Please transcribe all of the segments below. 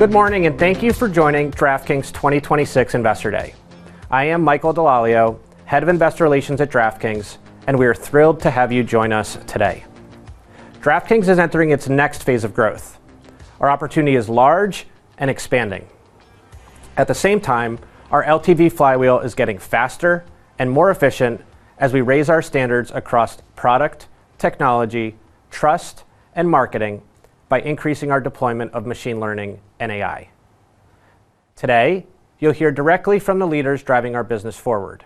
Good morning, thank you for joining DraftKings 2026 Investor Day. I am Joseph DeCristofaro, Head of Investor Relations at DraftKings, and we are thrilled to have you join us today. DraftKings is entering its next phase of growth. Our opportunity is large and expanding. At the same time, our LTV flywheel is getting faster and more efficient as we raise our standards across product, technology, trust, and marketing by increasing our deployment of machine learning and AI. Today, you'll hear directly from the leaders driving our business forward.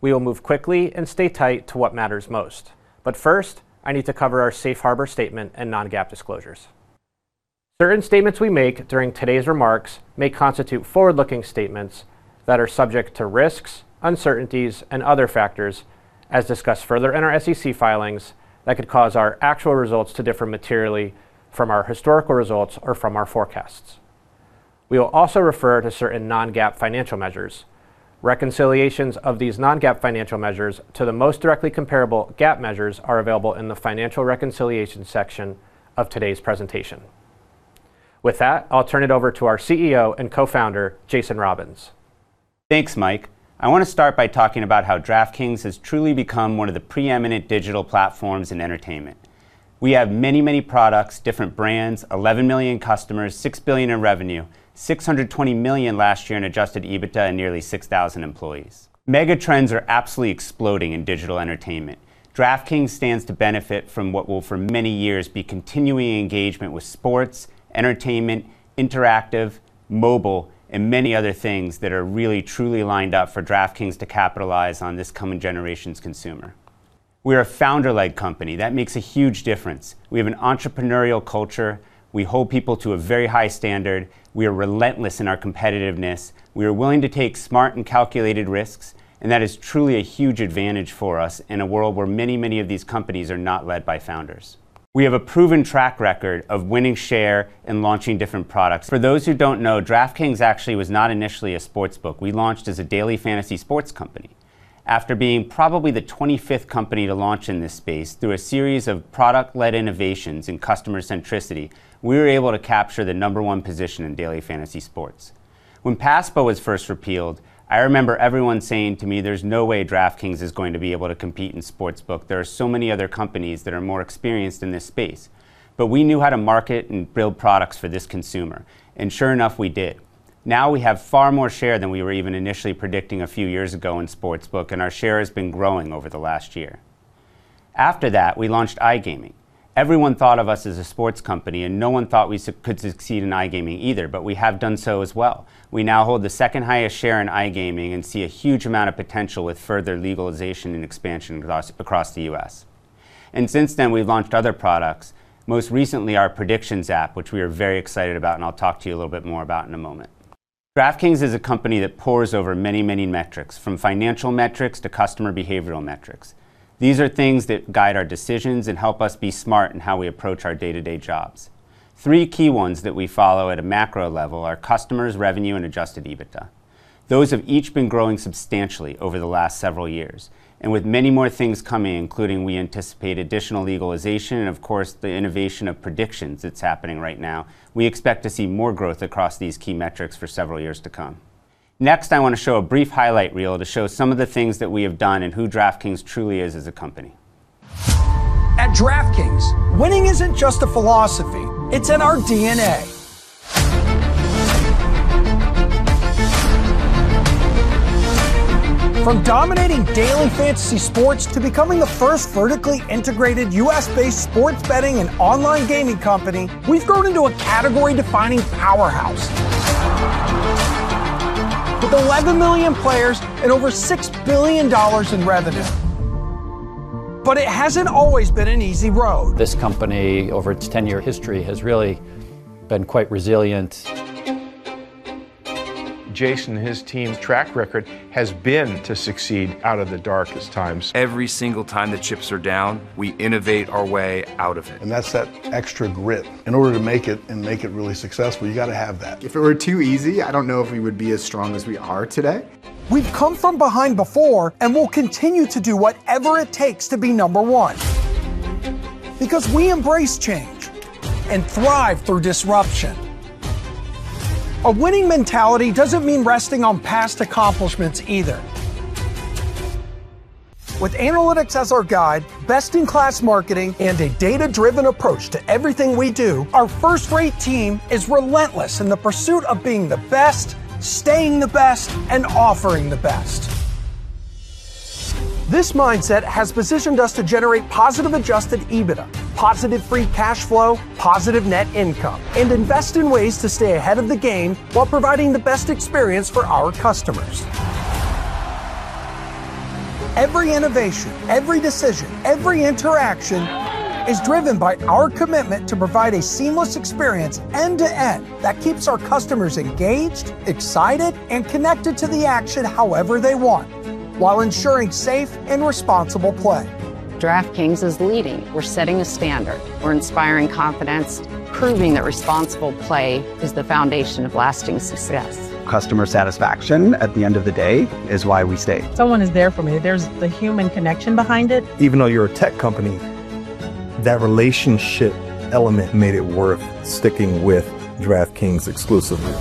We will move quickly and stay tight to what matters most. First, I need to cover our safe harbor statement and non-GAAP disclosures. Certain statements we make during today's remarks may constitute forward-looking statements that are subject to risks, uncertainties and other factors as discussed further in our SEC filings that could cause our actual results to differ materially from our historical results or from our forecasts. We will also refer to certain non-GAAP financial measures. Reconciliations of these non-GAAP financial measures to the most directly comparable GAAP measures are available in the financial reconciliation section of today's presentation. With that, I'll turn it over to our CEO and co-founder, Jason Robins. Thanks, Mike. I wanna start by talking about how DraftKings has truly become one of the preeminent digital platforms in entertainment. We have many, many products, different brands, 11 million customers, $6 billion in revenue, $620 million last year in Adjusted EBITDA, and nearly 6,000 employees. Megatrends are absolutely exploding in digital entertainment. DraftKings stands to benefit from what will for many years be continuing engagement with sports, entertainment, interactive, mobile, and many other things that are really truly lined up for DraftKings to capitalize on this coming generation's consumer. We're a founder-led company. That makes a huge difference. We have an entrepreneurial culture, we hold people to a very high standard, we are relentless in our competitiveness, we are willing to take smart and calculated risks, and that is truly a huge advantage for us in a world where many, many of these companies are not led by founders. We have a proven track record of winning share and launching different products. For those who don't know, DraftKings actually was not initially a sportsbook. We launched as a daily fantasy sports company. After being probably the 25th company to launch in this space, through a series of product-led innovations and customer centricity, we were able to capture the number one position in daily fantasy sports. When PASPA was first repealed, I remember everyone saying to me, "There's no way DraftKings is going to be able to compete in sportsbook. There are so many other companies that are more experienced in this space. We knew how to market and build products for this consumer, and sure enough, we did. Now we have far more share than we were even initially predicting a few years ago in sportsbook, and our share has been growing over the last year. After that, we launched iGaming. Everyone thought of us as a sports company, and no one thought we could succeed in iGaming either, but we have done so as well. We now hold the second highest share in iGaming and see a huge amount of potential with further legalization and expansion across the US. Since then, we've launched other products, most recently our predictions app, which we are very excited about, and I'll talk to you a little bit more about in a moment. DraftKings is a company that pours over many metrics, from financial metrics to customer behavioral metrics. These are things that guide our decisions and help us be smart in how we approach our day-to-day jobs. Three key ones that we follow at a macro level are customers, revenue, and Adjusted EBITDA. Those have each been growing substantially over the last several years, and with many more things coming, including we anticipate additional legalization and of course the innovation of predictions that's happening right now, we expect to see more growth across these key metrics for several years to come. Next, I wanna show a brief highlight reel to show some of the things that we have done and who DraftKings truly is as a company. At DraftKings, winning isn't just a philosophy, it's in our DNA. From dominating daily fantasy sports to becoming the first vertically integrated US-based sports betting and online gaming company, we've grown into a category-defining powerhouse. With 11 million players and over $6 billion in revenue. It hasn't always been an easy road. This company, over its 10-year history, has really been quite resilient. Jason and his team's track record has been to succeed out of the darkest times. Every single time the chips are down, we innovate our way out of it. That's that extra grit. In order to make it and make it really successful, you gotta have that. If it were too easy, I don't know if we would be as strong as we are today. We've come from behind before, and we'll continue to do whatever it takes to be number one because we embrace change and thrive through disruption. A winning mentality doesn't mean resting on past accomplishments either. With analytics as our guide, best-in-class marketing, and a data-driven approach to everything we do, our first-rate team is relentless in the pursuit of being the best, staying the best, and offering the best. This mindset has positioned us to generate positive adjusted EBITDA, positive free cash flow, positive net income, and invest in ways to stay ahead of the game while providing the best experience for our customers. Every innovation, every decision, every interaction is driven by our commitment to provide a seamless experience end to end that keeps our customers engaged, excited, and connected to the action however they want, while ensuring safe and responsible play. DraftKings is leading. We're setting a standard. We're inspiring confidence, proving that responsible play is the foundation of lasting success. Customer satisfaction, at the end of the day, is why we stay. Someone is there for me. There's the human connection behind it. Even though you're a tech company. That relationship element made it worth sticking with DraftKings exclusively.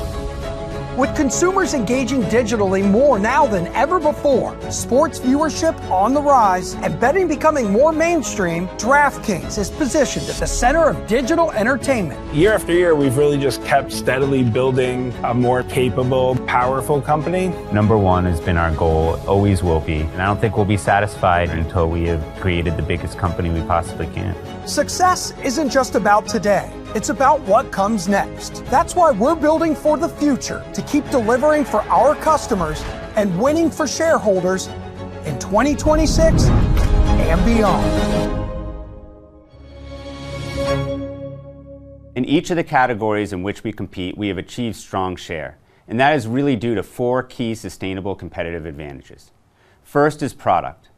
With consumers engaging digitally more now than ever before, sports viewership on the rise, and betting becoming more mainstream, DraftKings is positioned at the center of digital entertainment. Year after year, we've really just kept steadily building a more capable, powerful company. Number one has been our goal, always will be, and I don't think we'll be satisfied until we have created the biggest company we possibly can. Success isn't just about today, it's about what comes next. That's why we're building for the future, to keep delivering for our customers and winning for shareholders in 2026 and beyond. In each of the categories in which we compete, we have achieved strong share, that is really due to four key sustainable competitive advantages. First is product.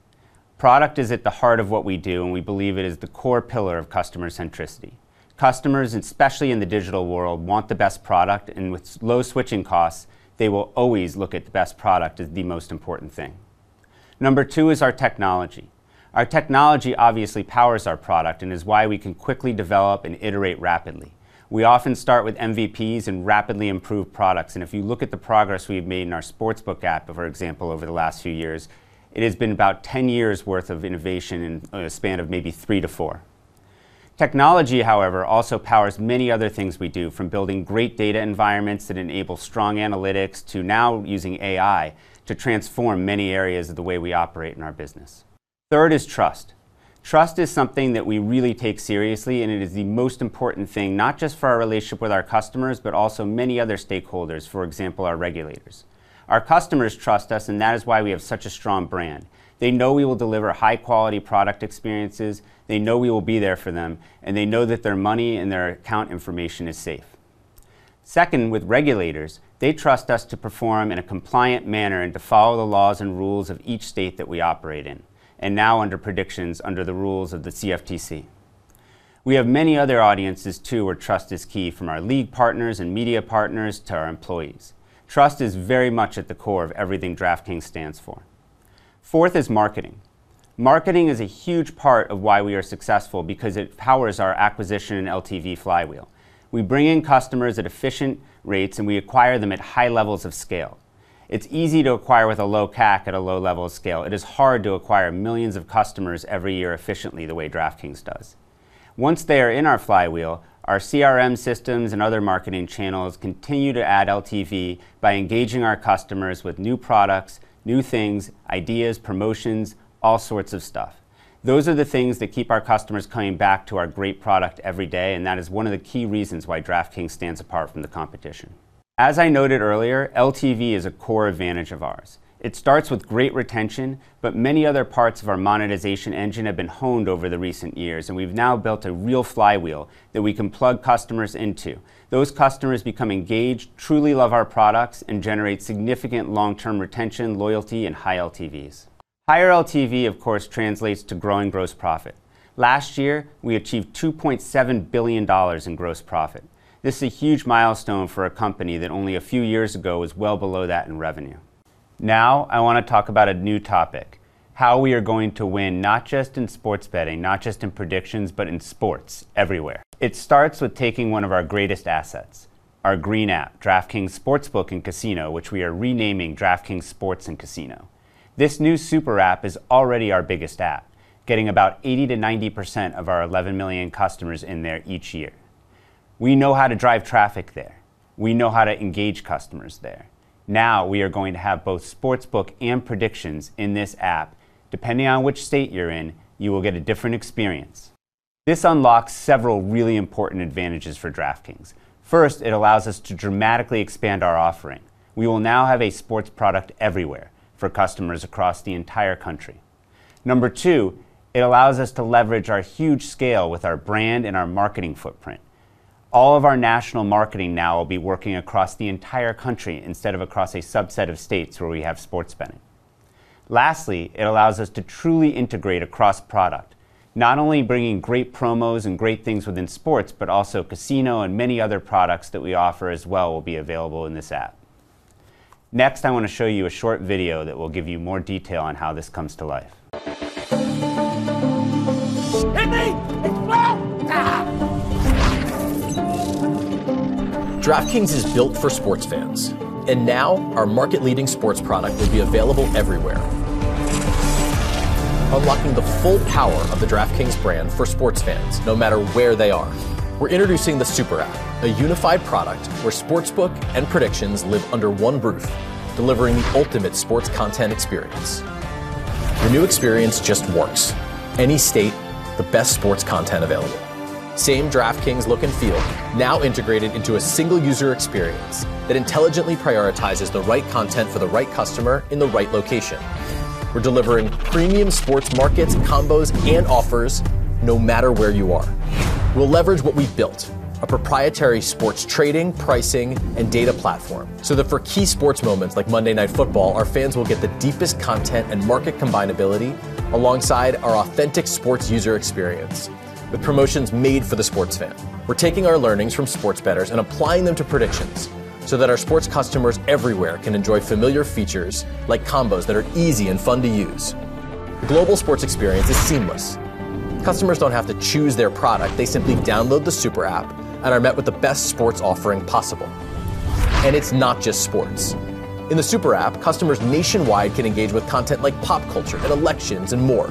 Product is at the heart of what we do, we believe it is the core pillar of customer centricity. Customers, especially in the digital world, want the best product, with low switching costs, they will always look at the best product as the most important thing. Number two is our technology. Our technology obviously powers our product and is why we can quickly develop and iterate rapidly. We often start with MVPs and rapidly improve products if you look at the progress we've made in our sportsbook app, for example, over the last few years, it has been about 10 years worth of innovation in a span of maybe three to four. Technology, however, also powers many other things we do, from building great data environments that enable strong analytics to now using AI to transform many areas of the way we operate in our business. Third is trust. Trust is something that we really take seriously, and it is the most important thing, not just for our relationship with our customers, but also many other stakeholders, for example, our regulators. Our customers trust us, and that is why we have such a strong brand. They know we will deliver high-quality product experiences. They know we will be there for them, and they know that their money and their account information is safe. Second, with regulators, they trust us to perform in a compliant manner and to follow the laws and rules of each state that we operate in, and now under Predictions under the rules of the CFTC. We have many other audiences, too, where trust is key, from our league partners and media partners to our employees. Trust is very much at the core of everything DraftKings stands for. Fourth is marketing. Marketing is a huge part of why we are successful because it powers our acquisition and LTV flywheel. We bring in customers at efficient rates, we acquire them at high levels of scale. It's easy to acquire with a low CAC at a low level of scale. It is hard to acquire millions of customers every year efficiently the way DraftKings does. Once they are in our flywheel, our CRM systems and other marketing channels continue to add LTV by engaging our customers with new products, new things, ideas, promotions, all sorts of stuff. Those are the things that keep our customers coming back to our great product every day. That is one of the key reasons why DraftKings stands apart from the competition. As I noted earlier, LTV is a core advantage of ours. It starts with great retention. Many other parts of our monetization engine have been honed over the recent years. We've now built a real flywheel that we can plug customers into. Those customers become engaged, truly love our products. Generate significant long-term retention, loyalty, and high LTVs. Higher LTV, of course, translates to growing gross profit. Last year, we achieved $2.7 billion in gross profit. This is a huge milestone for a company that only a few years ago was well below that in revenue. Now I wanna talk about a new topic, how we are going to win, not just in sports betting, not just in predictions, but in sports everywhere. It starts with taking one of our greatest assets, our green app, DraftKings Sportsbook and Casino, which we are renaming DraftKings Sports and Casino. This new Super App is already our biggest app, getting about 80%-90% of our 11 million customers in there each year. We know how to drive traffic there. We know how to engage customers there. Now we are going to have both Sportsbook and predictions in this app. Depending on which state you're in, you will get a different experience. This unlocks several really important advantages for DraftKings. First, it allows us to dramatically expand our offering. We will now have a sports product everywhere for customers across the entire country. Number two, it allows us to leverage our huge scale with our brand and our marketing footprint. All of our national marketing now will be working across the entire country instead of across a subset of states where we have sports betting. Lastly, it allows us to truly integrate across product, not only bringing great promos and great things within sports, but also casino and many other products that we offer as well will be available in this app. Next, I wanna show you a short video that will give you more detail on how this comes to life Hit me. It's wet. DraftKings is built for sports fans, now our market-leading sports product will be available everywhere, unlocking the full power of the DraftKings brand for sports fans, no matter where they are. We're introducing the Super App, a unified product where Sportsbook and Predictions live under one roof, delivering the ultimate sports content experience. The new experience just works. Any state, the best sports content available. Same DraftKings look and feel, now integrated into a single user experience that intelligently prioritizes the right content for the right customer in the right location. We're delivering premium sports markets, combos, and offers no matter where you are. We'll leverage what we've built, a proprietary sports trading, pricing, and data platform, so that for key sports moments like Monday Night Football, our fans will get the deepest content and market combinability alongside our authentic sports user experience with promotions made for the sports fan. We're taking our learnings from sports bettors and applying them to predictions so that our sports customers everywhere can enjoy familiar features like combos that are easy and fun to use. The global sports experience is seamless. Customers don't have to choose their product. They simply download the Super App and are met with the best sports offering possible. It's not just sports. In the Super App, customers nationwide can engage with content like pop culture and elections and more.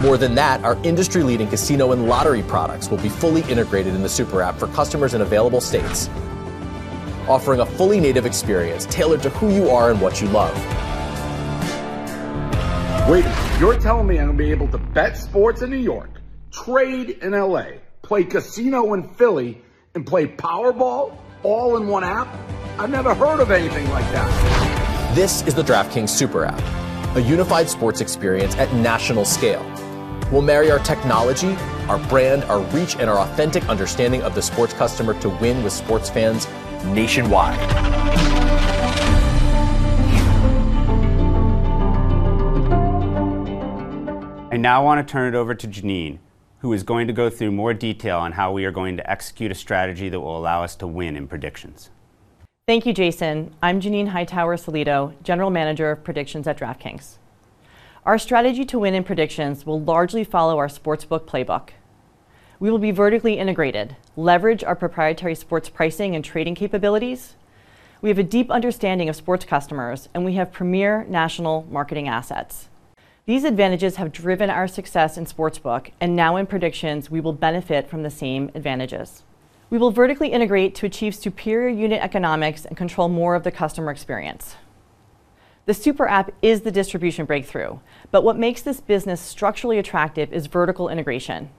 More than that, our industry-leading casino and lottery products will be fully integrated in the Super App for customers in available states, offering a fully native experience tailored to who you are and what you love. Wait, you're telling me I'm gonna be able to bet sports in New York, trade in L.A., play casino in Philly, and play Powerball all in one app? I've never heard of anything like that. This is the DraftKings Super App, a unified sports experience at national scale. We'll marry our technology, our brand, our reach, and our authentic understanding of the sports customer to win with sports fans nationwide. I now wanna turn it over to Janine, who is going to go through more detail on how we are going to execute a strategy that will allow us to win in predictions. Thank you, Jason. I'm Janine Hightower-Sellitto, General Manager of Predictions at DraftKings. Our strategy to win in Predictions will largely follow our Sportsbook playbook. We will be vertically integrated, leverage our proprietary sports pricing and trading capabilities. We have a deep understanding of sports customers, we have premier national marketing assets. These advantages have driven our success in Sportsbook, now in Predictions, we will benefit from the same advantages. We will vertically integrate to achieve superior unit economics and control more of the customer experience. The Super App is the distribution breakthrough, what makes this business structurally attractive is vertical integration.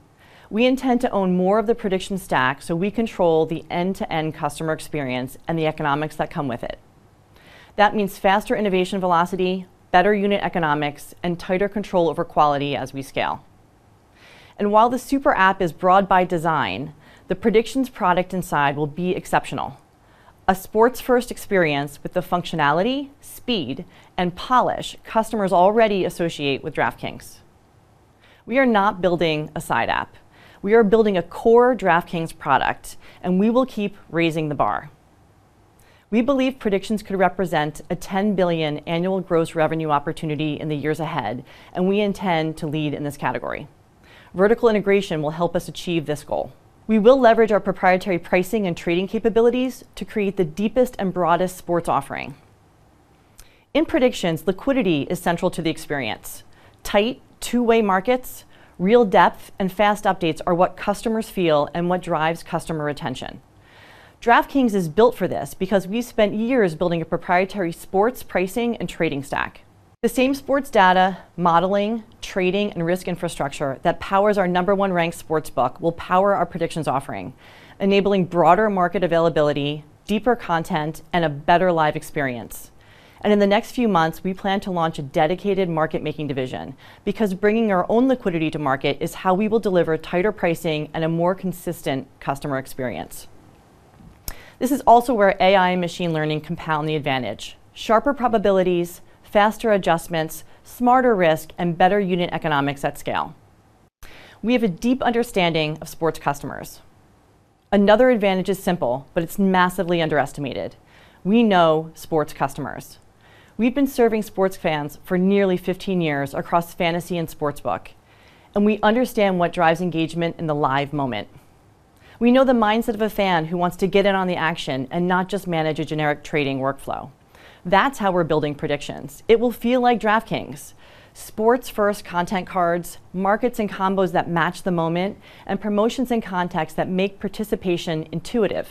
We intend to own more of the prediction stack, we control the end-to-end customer experience and the economics that come with it. That means faster innovation velocity, better unit economics, and tighter control over quality as we scale. While the Super App is broad by design, the predictions product inside will be exceptional. A sports first experience with the functionality, speed, and polish customers already associate with DraftKings. We are not building a side app. We are building a core DraftKings product, and we will keep raising the bar. We believe predictions could represent a $10 billion annual gross revenue opportunity in the years ahead, and we intend to lead in this category. Vertical integration will help us achieve this goal. We will leverage our proprietary pricing and trading capabilities to create the deepest and broadest sports offering. In predictions, liquidity is central to the experience. Tight two-way markets, real depth, and fast updates are what customers feel and what drives customer retention. DraftKings is built for this because we've spent years building a proprietary sports pricing and trading stack. The same sports data modeling, trading, and risk infrastructure that powers our number one-ranked Sportsbook will power our Predictions offering, enabling broader market availability, deeper content, and a better live experience. In the next few months, we plan to launch a dedicated market-making division because bringing our own liquidity to market is how we will deliver tighter pricing and a more consistent customer experience. This is also where AI and machine learning compound the advantage, sharper probabilities, faster adjustments, smarter risk, and better unit economics at scale. We have a deep understanding of sports customers. Another advantage is simple, but it's massively underestimated. We know sports customers. We've been serving sports fans for nearly 15 years across Fantasy and Sportsbook, and we understand what drives engagement in the live moment. We know the mindset of a fan who wants to get in on the action and not just manage a generic trading workflow. That's how we're building predictions. It will feel like DraftKings, sports first content cards, markets and combos that match the moment, and promotions and context that make participation intuitive.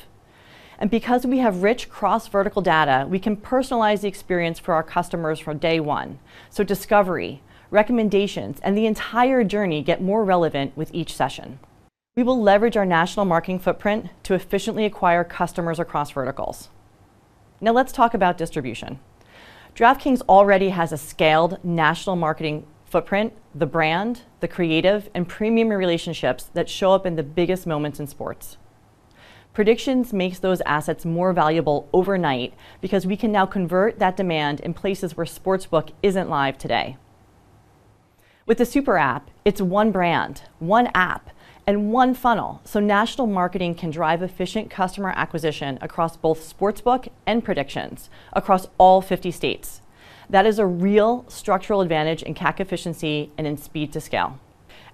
Because we have rich cross-vertical data, we can personalize the experience for our customers from day one, so discovery, recommendations, and the entire journey get more relevant with each session. We will leverage our national marketing footprint to efficiently acquire customers across verticals. Let's talk about distribution. DraftKings already has a scaled national marketing footprint, the brand, the creative, and premium relationships that show up in the biggest moments in sports. Predictions makes those assets more valuable overnight because we can now convert that demand in places where Sportsbook isn't live today. With the Super App, it's one brand, one app, and one funnel, so national marketing can drive efficient customer acquisition across both Sportsbook and Predictions across all 50 states. That is a real structural advantage in CAC efficiency and in speed to scale.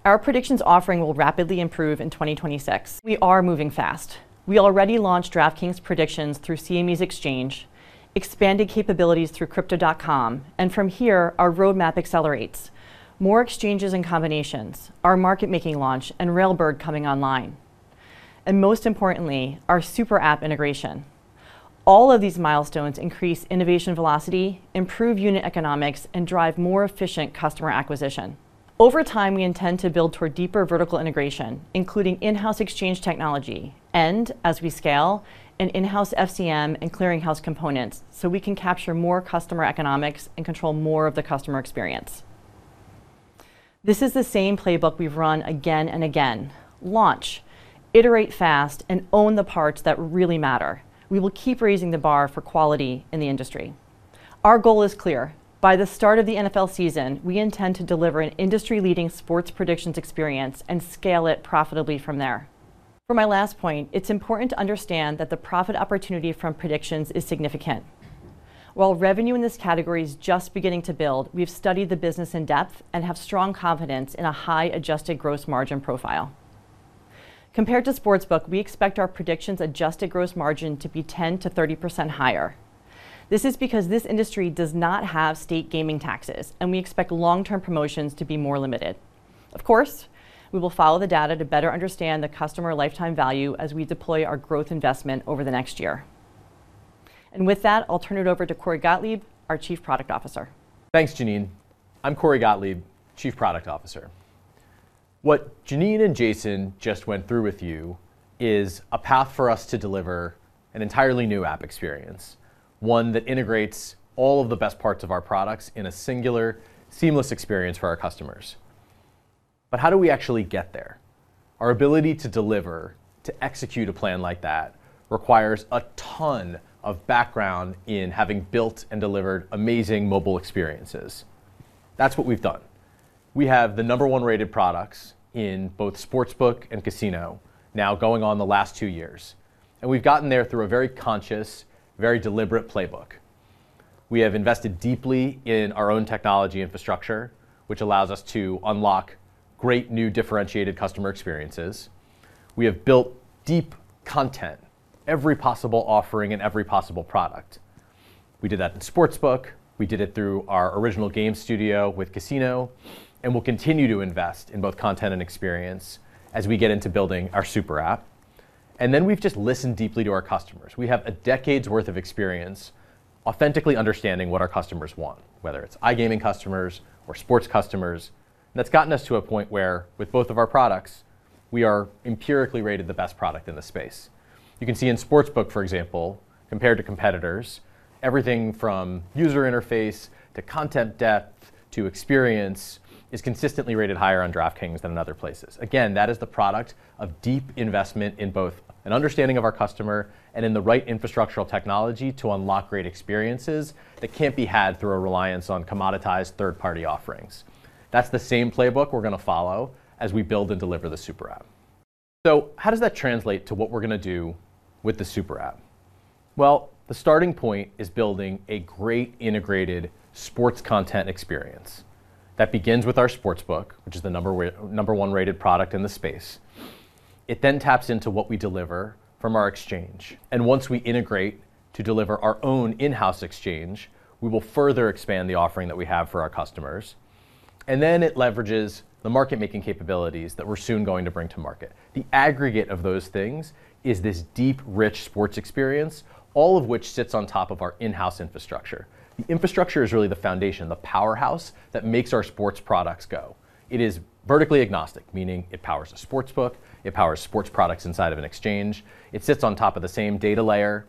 Our Predictions offering will rapidly improve in 2026. We are moving fast. We already launched DraftKings Predictions through CME's Exchange, expanded capabilities through Crypto.com, and from here, our roadmap accelerates. More exchanges and combinations, our market-making launch, and Railbird coming online, and most importantly, our Super App integration. All of these milestones increase innovation velocity, improve unit economics, and drive more efficient customer acquisition. Over time, we intend to build toward deeper vertical integration, including in-house exchange technology and, as we scale, an in-house FCM and clearing house components, so we can capture more customer economics and control more of the customer experience. This is the same playbook we've run again and again. Launch, iterate fast, and own the parts that really matter. We will keep raising the bar for quality in the industry. Our goal is clear. By the start of the NFL season, we intend to deliver an industry-leading sports predictions experience and scale it profitably from there. For my last point, it's important to understand that the profit opportunity from predictions is significant. While revenue in this category is just beginning to build, we've studied the business in depth and have strong confidence in a high adjusted gross margin profile. Compared to Sportsbook, we expect our predictions adjusted gross margin to be 10% higher-30% higher. This is because this industry does not have state gaming taxes, and we expect long-term promotions to be more limited. Of course, we will follow the data to better understand the customer lifetime value as we deploy our growth investment over the next year. With that, I'll turn it over to Corey Gottlieb, our Chief Product Officer. Thanks, Janine. I'm Corey Gottlieb, Chief Product Officer. What Janine and Jason just went through with you is a path for us to deliver an entirely new app experience, one that integrates all of the best parts of our products in a singular, seamless experience for our customers. How do we actually get there? Our ability to deliver, to execute a plan like that requires a ton of background in having built and delivered amazing mobile experiences. That's what we've done. We have the number one-rated products in both Sportsbook and Casino now going on the last two years, and we've gotten there through a very conscious, very deliberate playbook. We have invested deeply in our own technology infrastructure, which allows us to unlock great new differentiated customer experiences. We have built deep content, every possible offering in every possible product. We did that in Sportsbook, we did it through our original game studio with Casino, we'll continue to invest in both content and experience as we get into building our Super App. Then we've just listened deeply to our customers. We have a decade's worth of experience authentically understanding what our customers want, whether it's iGaming customers or sports customers. That's gotten us to a point where with both of our products, we are empirically rated the best product in the space. You can see in Sportsbook, for example, compared to competitors, everything from user interface to content depth to experience is consistently rated higher on DraftKings than in other places. Again, that is the product of deep investment in both an understanding of our customer and in the right infrastructural technology to unlock great experiences that can't be had through a reliance on commoditized third-party offerings. That's the same playbook we're gonna follow as we build and deliver the Super App. How does that translate to what we're gonna do with the Super App? The starting point is building a great integrated sports content experience that begins with our Sportsbook, which is the number 1-rated product in the space. It taps into what we deliver from our exchange. Once we integrate to deliver our own in-house exchange, we will further expand the offering that we have for our customers. It leverages the market-making capabilities that we're soon going to bring to market. The aggregate of those things is this deep, rich sports experience, all of which sits on top of our in-house infrastructure. The infrastructure is really the foundation, the powerhouse that makes our sports products go. It is vertically agnostic, meaning it powers a Sportsbook, it powers sports products inside of an exchange, it sits on top of the same data layer,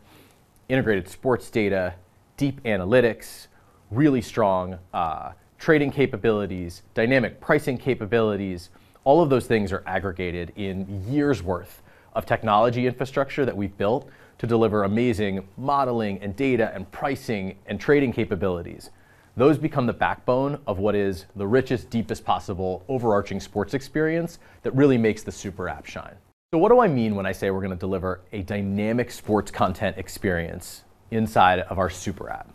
integrated sports data, deep analytics, really strong trading capabilities, dynamic pricing capabilities. All of those things are aggregated in years' worth of technology infrastructure that we've built to deliver amazing modeling and data and pricing and trading capabilities. Those become the backbone of what is the richest, deepest possible overarching sports experience that really makes the Super App shine. What do I mean when I say we're gonna deliver a dynamic sports content experience inside of our Super App?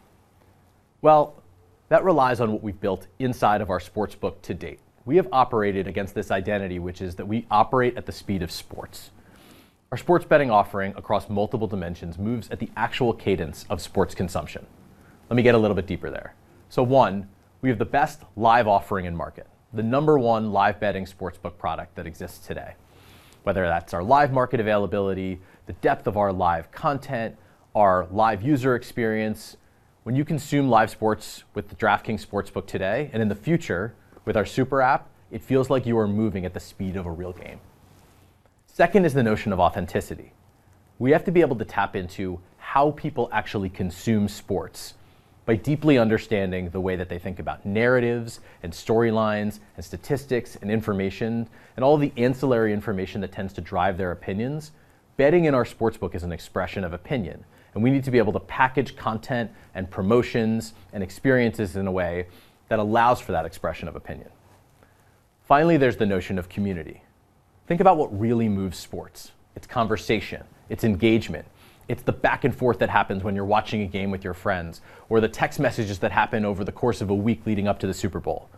That relies on what we've built inside of our Sportsbook to date. We have operated against this identity, which is that we operate at the speed of sports. Our sports betting offering across multiple dimensions moves at the actual cadence of sports consumption. Let me get a little bit deeper there. One, we have the best live offering in market, the number one live betting Sportsbook product that exists today, whether that's our live market availability, the depth of our live content, our live user experience. When you consume live sports with the DraftKings Sportsbook today and in the future with our Super App, it feels like you are moving at the speed of a real game. Second is the notion of authenticity. We have to be able to tap into how people actually consume sports by deeply understanding the way that they think about narratives and storylines and statistics and information, and all the ancillary information that tends to drive their opinions. Betting in our Sportsbook is an expression of opinion. We need to be able to package content and promotions and experiences in a way that allows for that expression of opinion. Finally, there's the notion of community. Think about what really moves sports. It's conversation, it's engagement, it's the back and forth that happens when you're watching a game with your friends or the text messages that happen over the course of a week leading up to the Super Bowl.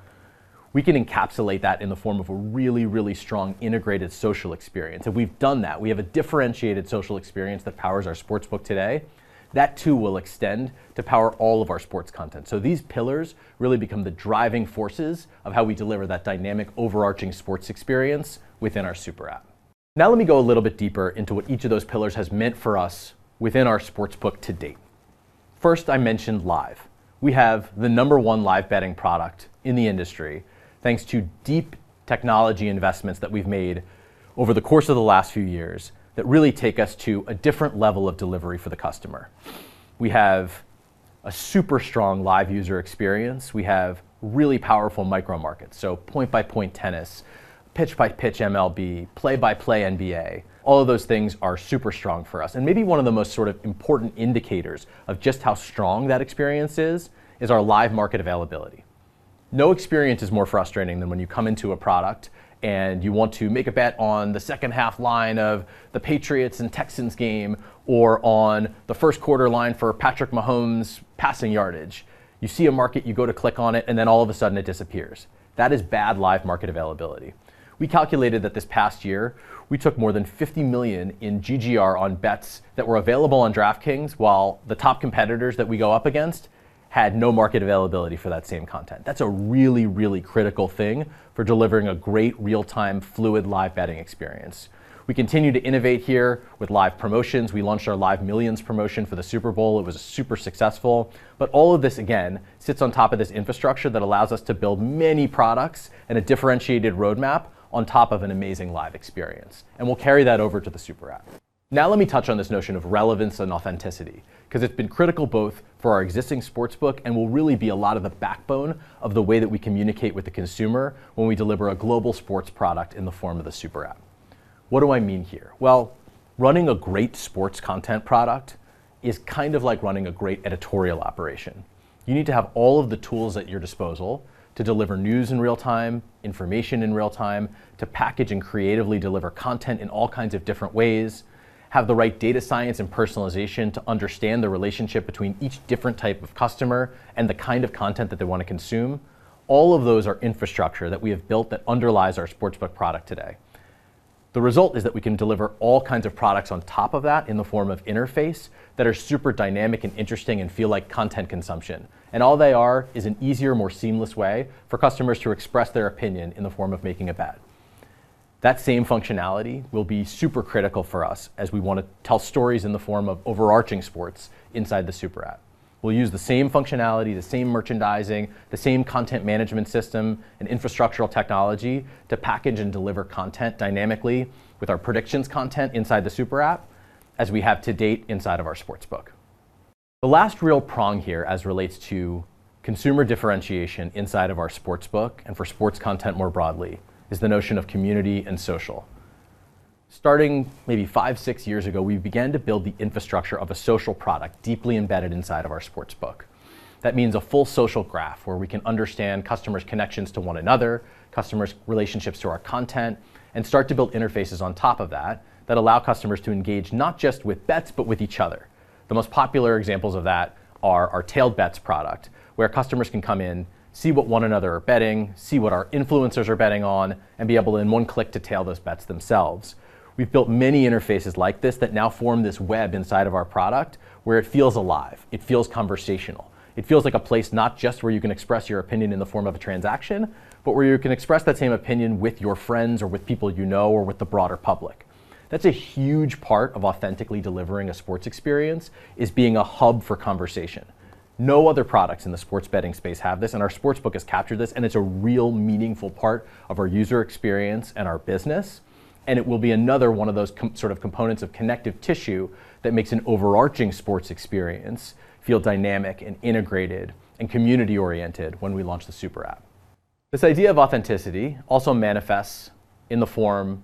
We can encapsulate that in the form of a really, really strong integrated social experience. We've done that. We have a differentiated social experience that powers our Sportsbook today. That too will extend to power all of our sports content. These pillars really become the driving forces of how we deliver that dynamic, overarching sports experience within our Super App. Now, let me go a little bit deeper into what each of those pillars has meant for us within our Sportsbook to date. First, I mentioned live. We have the number one live betting product in the industry, thanks to deep technology investments that we've made over the course of the last few years that really take us to a different level of delivery for the customer. We have a super strong live user experience. We have really powerful micro markets, so point-by-point tennis, pitch-by-pitch MLB, play-by-play NBA. All of those things are super strong for us. Maybe one of the most sort of important indicators of just how strong that experience is our live market availability. No experience is more frustrating than when you come into a product and you want to make a bet on the second-half line of the Patriots and Texans game or on the first quarter line for Patrick Mahomes passing yardage. You see a market, you go to click on it, and then all of a sudden it disappears. That is bad live market availability. We calculated that this past year, we took more than $50 million in GGR on bets that were available on DraftKings, while the top competitors that we go up against had no market availability for that same content. That's a really, really critical thing for delivering a great real-time fluid live betting experience. We continue to innovate here with live promotions. We launched our Live Millions promotion for the Super Bowl. It was super successful. All of this again sits on top of this infrastructure that allows us to build many products and a differentiated roadmap on top of an amazing live experience, and we'll carry that over to the Super App. Let me touch on this notion of relevance and authenticity, because it's been critical both for our existing sportsbook and will really be a lot of the backbone of the way that we communicate with the consumer when we deliver a global sports product in the form of the Super App. What do I mean here? Running a great sports content product is kind of like running a great editorial operation. You need to have all of the tools at your disposal to deliver news in real time, information in real time, to package and creatively deliver content in all kinds of different ways, have the right data science and personalization to understand the relationship between each different type of customer and the kind of content that they want to consume. All of those are infrastructure that we have built that underlies our sportsbook product today. The result is that we can deliver all kinds of products on top of that in the form of interface that are super dynamic and interesting and feel like content consumption. All they are is an easier, more seamless way for customers to express their opinion in the form of making a bet. That same functionality will be super critical for us as we want to tell stories in the form of overarching sports inside the Super App. We'll use the same functionality, the same merchandising, the same content management system and infrastructural technology to package and deliver content dynamically with our Predictions content inside the Super App as we have to date inside of our Sportsbook. The last real prong here as relates to consumer differentiation inside of our Sportsbook and for sports content more broadly is the notion of community and social. Starting maybe five, six years ago, we began to build the infrastructure of a social product deeply embedded inside of our Sportsbook. That means a full social graph where we can understand customers' connections to one another, customers' relationships to our content, and start to build interfaces on top of that that allow customers to engage not just with bets, but with each other. The most popular examples of that are our tailed bets product, where customers can come in, see what one another are betting, see what our influencers are betting on, and be able in one click to tail those bets themselves. We've built many interfaces like this that now form this web inside of our product where it feels alive, it feels conversational. It feels like a place not just where you can express your opinion in the form of a transaction, but where you can express that same opinion with your friends or with people you know, or with the broader public. That's a huge part of authentically delivering a sports experience is being a hub for conversation. No other products in the sports betting space have this, and our sportsbook has captured this, and it's a real meaningful part of our user experience and our business, and it will be another one of those sort of components of connective tissue that makes an overarching sports experience feel dynamic and integrated and community-oriented when we launch the Super App. This idea of authenticity also manifests in the form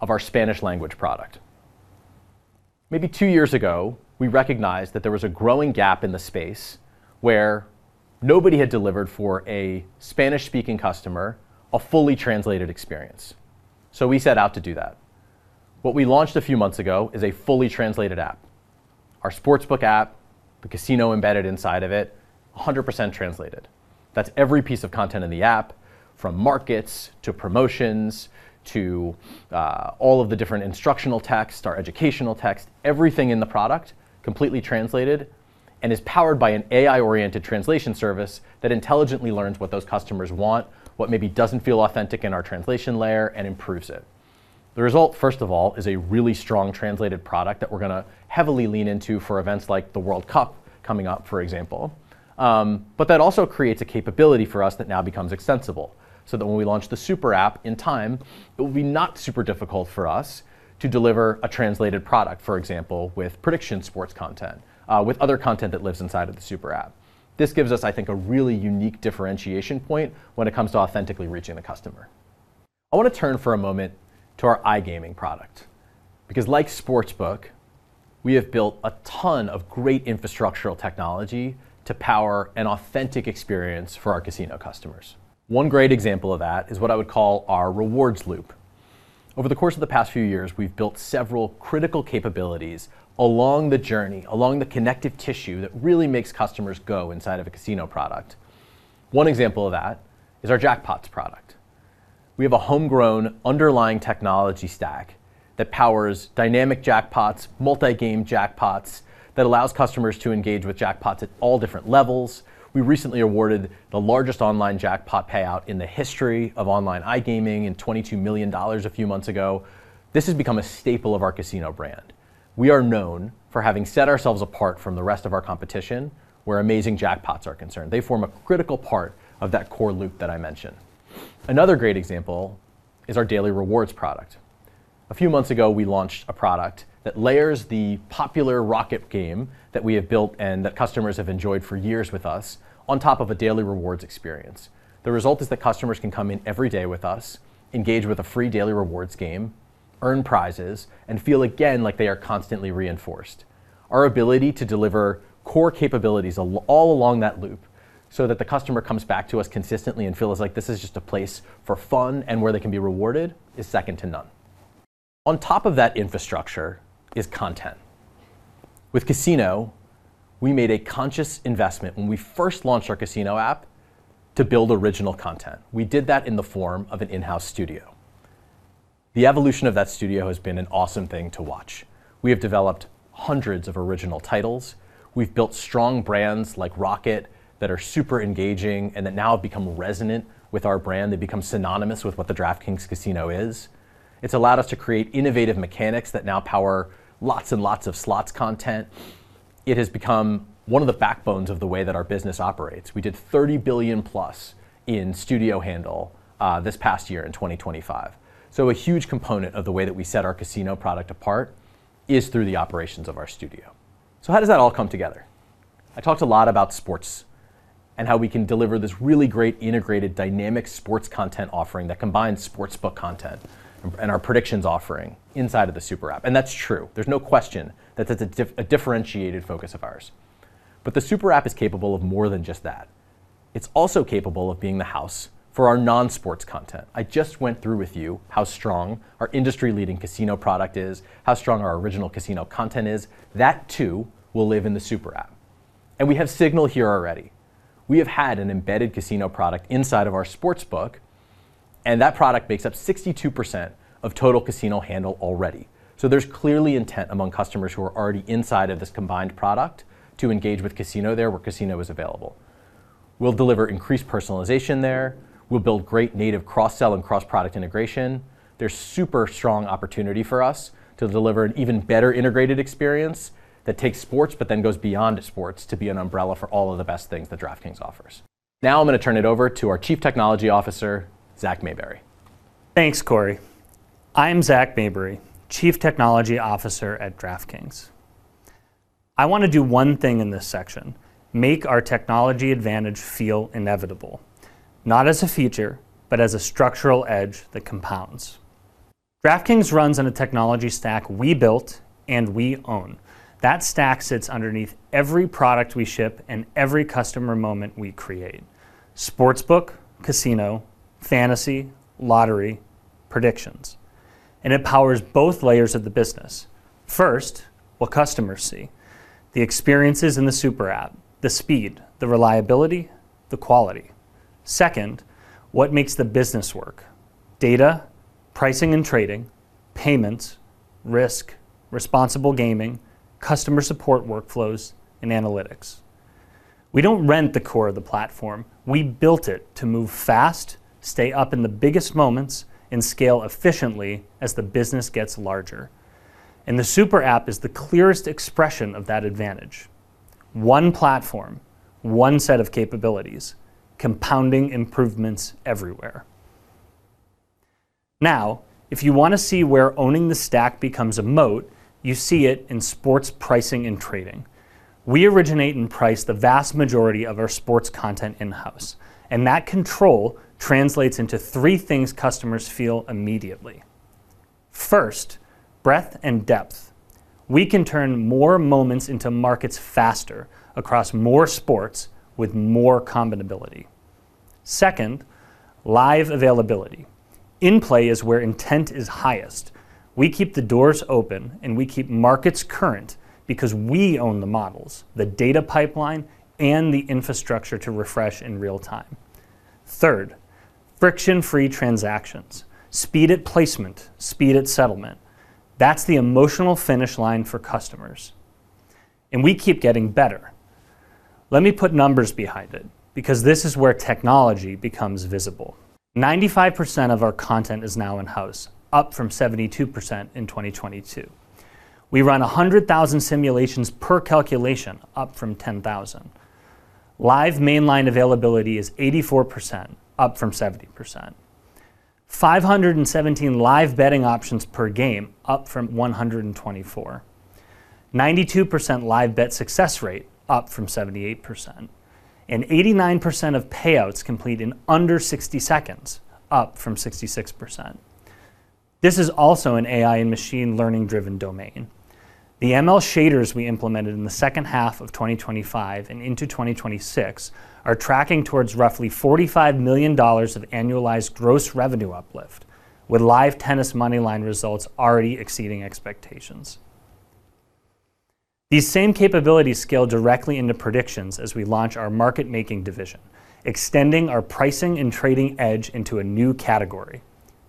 of our Spanish language product. Maybe two years ago, we recognized that there was a growing gap in the space where nobody had delivered for a Spanish-speaking customer a fully translated experience. We set out to do that. What we launched a few months ago is a fully translated app. Our sportsbook app, the casino embedded inside of it, 100% translated. That's every piece of content in the app, from markets to promotions to all of the different instructional text, our educational text, everything in the product completely translated and is powered by an AI-oriented translation service that intelligently learns what those customers want, what maybe doesn't feel authentic in our translation layer, and improves it. The result, first of all, is a really strong translated product that we're gonna heavily lean into for events like the World Cup coming up, for example. That also creates a capability for us that now becomes extensible, so that when we launch the Super App in time, it will be not super difficult for us to deliver a translated product, for example, with prediction sports content, with other content that lives inside of the Super App. This gives us, I think, a really unique differentiation point when it comes to authentically reaching the customer. I want to turn for a moment to our iGaming product, because like Sportsbook, we have built a ton of great infrastructural technology to power an authentic experience for our casino customers. One great example of that is what I would call our rewards loop. Over the course of the past few years, we've built several critical capabilities along the journey, along the connective tissue that really makes customers go inside of a casino product. One example of that is our jackpots product. We have a homegrown underlying technology stack that powers dynamic jackpots, multi-game jackpots, that allows customers to engage with jackpots at all different levels. We recently awarded the largest online jackpot payout in the history of online iGaming in $22 million a few months ago. This has become a staple of our casino brand. We are known for having set ourselves apart from the rest of our competition where amazing jackpots are concerned. They form a critical part of that core loop that I mentioned. Another great example is our daily rewards product. A few months ago, we launched a product that layers the popular Rocket game that we have built and that customers have enjoyed for years with us on top of a daily rewards experience. The result is that customers can come in every day with us, engage with a free daily rewards game, earn prizes, and feel again like they are constantly reinforced. Our ability to deliver core capabilities all along that loop so that the customer comes back to us consistently and feels like this is just a place for fun and where they can be rewarded is second to none. On top of that infrastructure is content. With casino, we made a conscious investment when we first launched our casino app to build original content. We did that in the form of an in-house studio. The evolution of that studio has been an awesome thing to watch. We have developed hundreds of original titles. We've built strong brands like Rocket that are super engaging and that now have become resonant with our brand. They've become synonymous with what the DraftKings Casino is. It's allowed us to create innovative mechanics that now power lots and lots of slots content. It has become one of the backbones of the way that our business operates. We did $30 billion+ in studio handle this past year in 2025. A huge component of the way that we set our casino product apart is through the operations of our studio. How does that all come together? I talked a lot about sports and how we can deliver this really great integrated dynamic sports content offering that combines Sportsbook content and our Predictions offering inside of the Super App. That's true. There's no question that that's a differentiated focus of ours. The Super App is capable of more than just that. It's also capable of being the house for our non-sports content. I just went through with you how strong our industry-leading Casino product is, how strong our original Casino content is. That too will live in the Super App. We have signal here already. We have had an embedded Casino product inside of our Sportsbook, and that product makes up 62% of total Casino handle already. There's clearly intent among customers who are already inside of this combined product to engage with casino there where casino is available. We'll deliver increased personalization there. We'll build great native cross-sell and cross-product integration. There's super strong opportunity for us to deliver an even better integrated experience that takes sports, goes beyond sports to be an umbrella for all of the best things that DraftKings offers. I'm gonna turn it over to our Chief Technology Officer, Zach Maybury. Thanks, Corey. I'm Zach Maybury, Chief Technology Officer at DraftKings. I wanna do one thing in this section, make our technology advantage feel inevitable, not as a feature, but as a structural edge that compounds. DraftKings runs on a technology stack we built and we own. That stack sits underneath every product we ship and every customer moment we create: Sportsbook, Casino, Fantasy, Lottery, Predictions, and it powers both layers of the business. First, what customers see, the experiences in the Super App, the speed, the reliability, the quality. Second, what makes the business work, data, pricing and trading, payments, risk, responsible gaming, customer support workflows, and analytics. We don't rent the core of the platform. We built it to move fast, stay up in the biggest moments, and scale efficiently as the business gets larger. The Super App is the clearest expression of that advantage. One platform, one set of capabilities, compounding improvements everywhere. If you wanna see where owning the stack becomes a moat, you see it in sports pricing and trading. We originate and price the vast majority of our sports content in-house, and that control translates into three things customers feel immediately. First, breadth and depth. We can turn more moments into markets faster across more sports with more combinability. Second, live availability. In-play is where intent is highest. We keep the doors open, and we keep markets current because we own the models, the data pipeline, and the infrastructure to refresh in real time. Third, friction-free transactions, speed at placement, speed at settlement. That's the emotional finish line for customers, and we keep getting better. Let me put numbers behind it because this is where technology becomes visible. 95% of our content is now in-house, up from 72% in 2022. We run 100,000 simulations per calculation, up from 10,000. Live mainline availability is 84%, up from 70%. 517 live betting options per game, up from 124. 92% live bet success rate, up from 78%, and 89% of payouts complete in under 60 seconds, up from 66%. This is also an AI and machine learning-driven domain. The ML shaders we implemented in the second half of 2025 and into 2026 are tracking towards roughly $45 million of annualized gross revenue uplift with live tennis Moneyline results already exceeding expectations. These same capabilities scale directly into predictions as we launch our market-making division, extending our pricing and trading edge into a new category.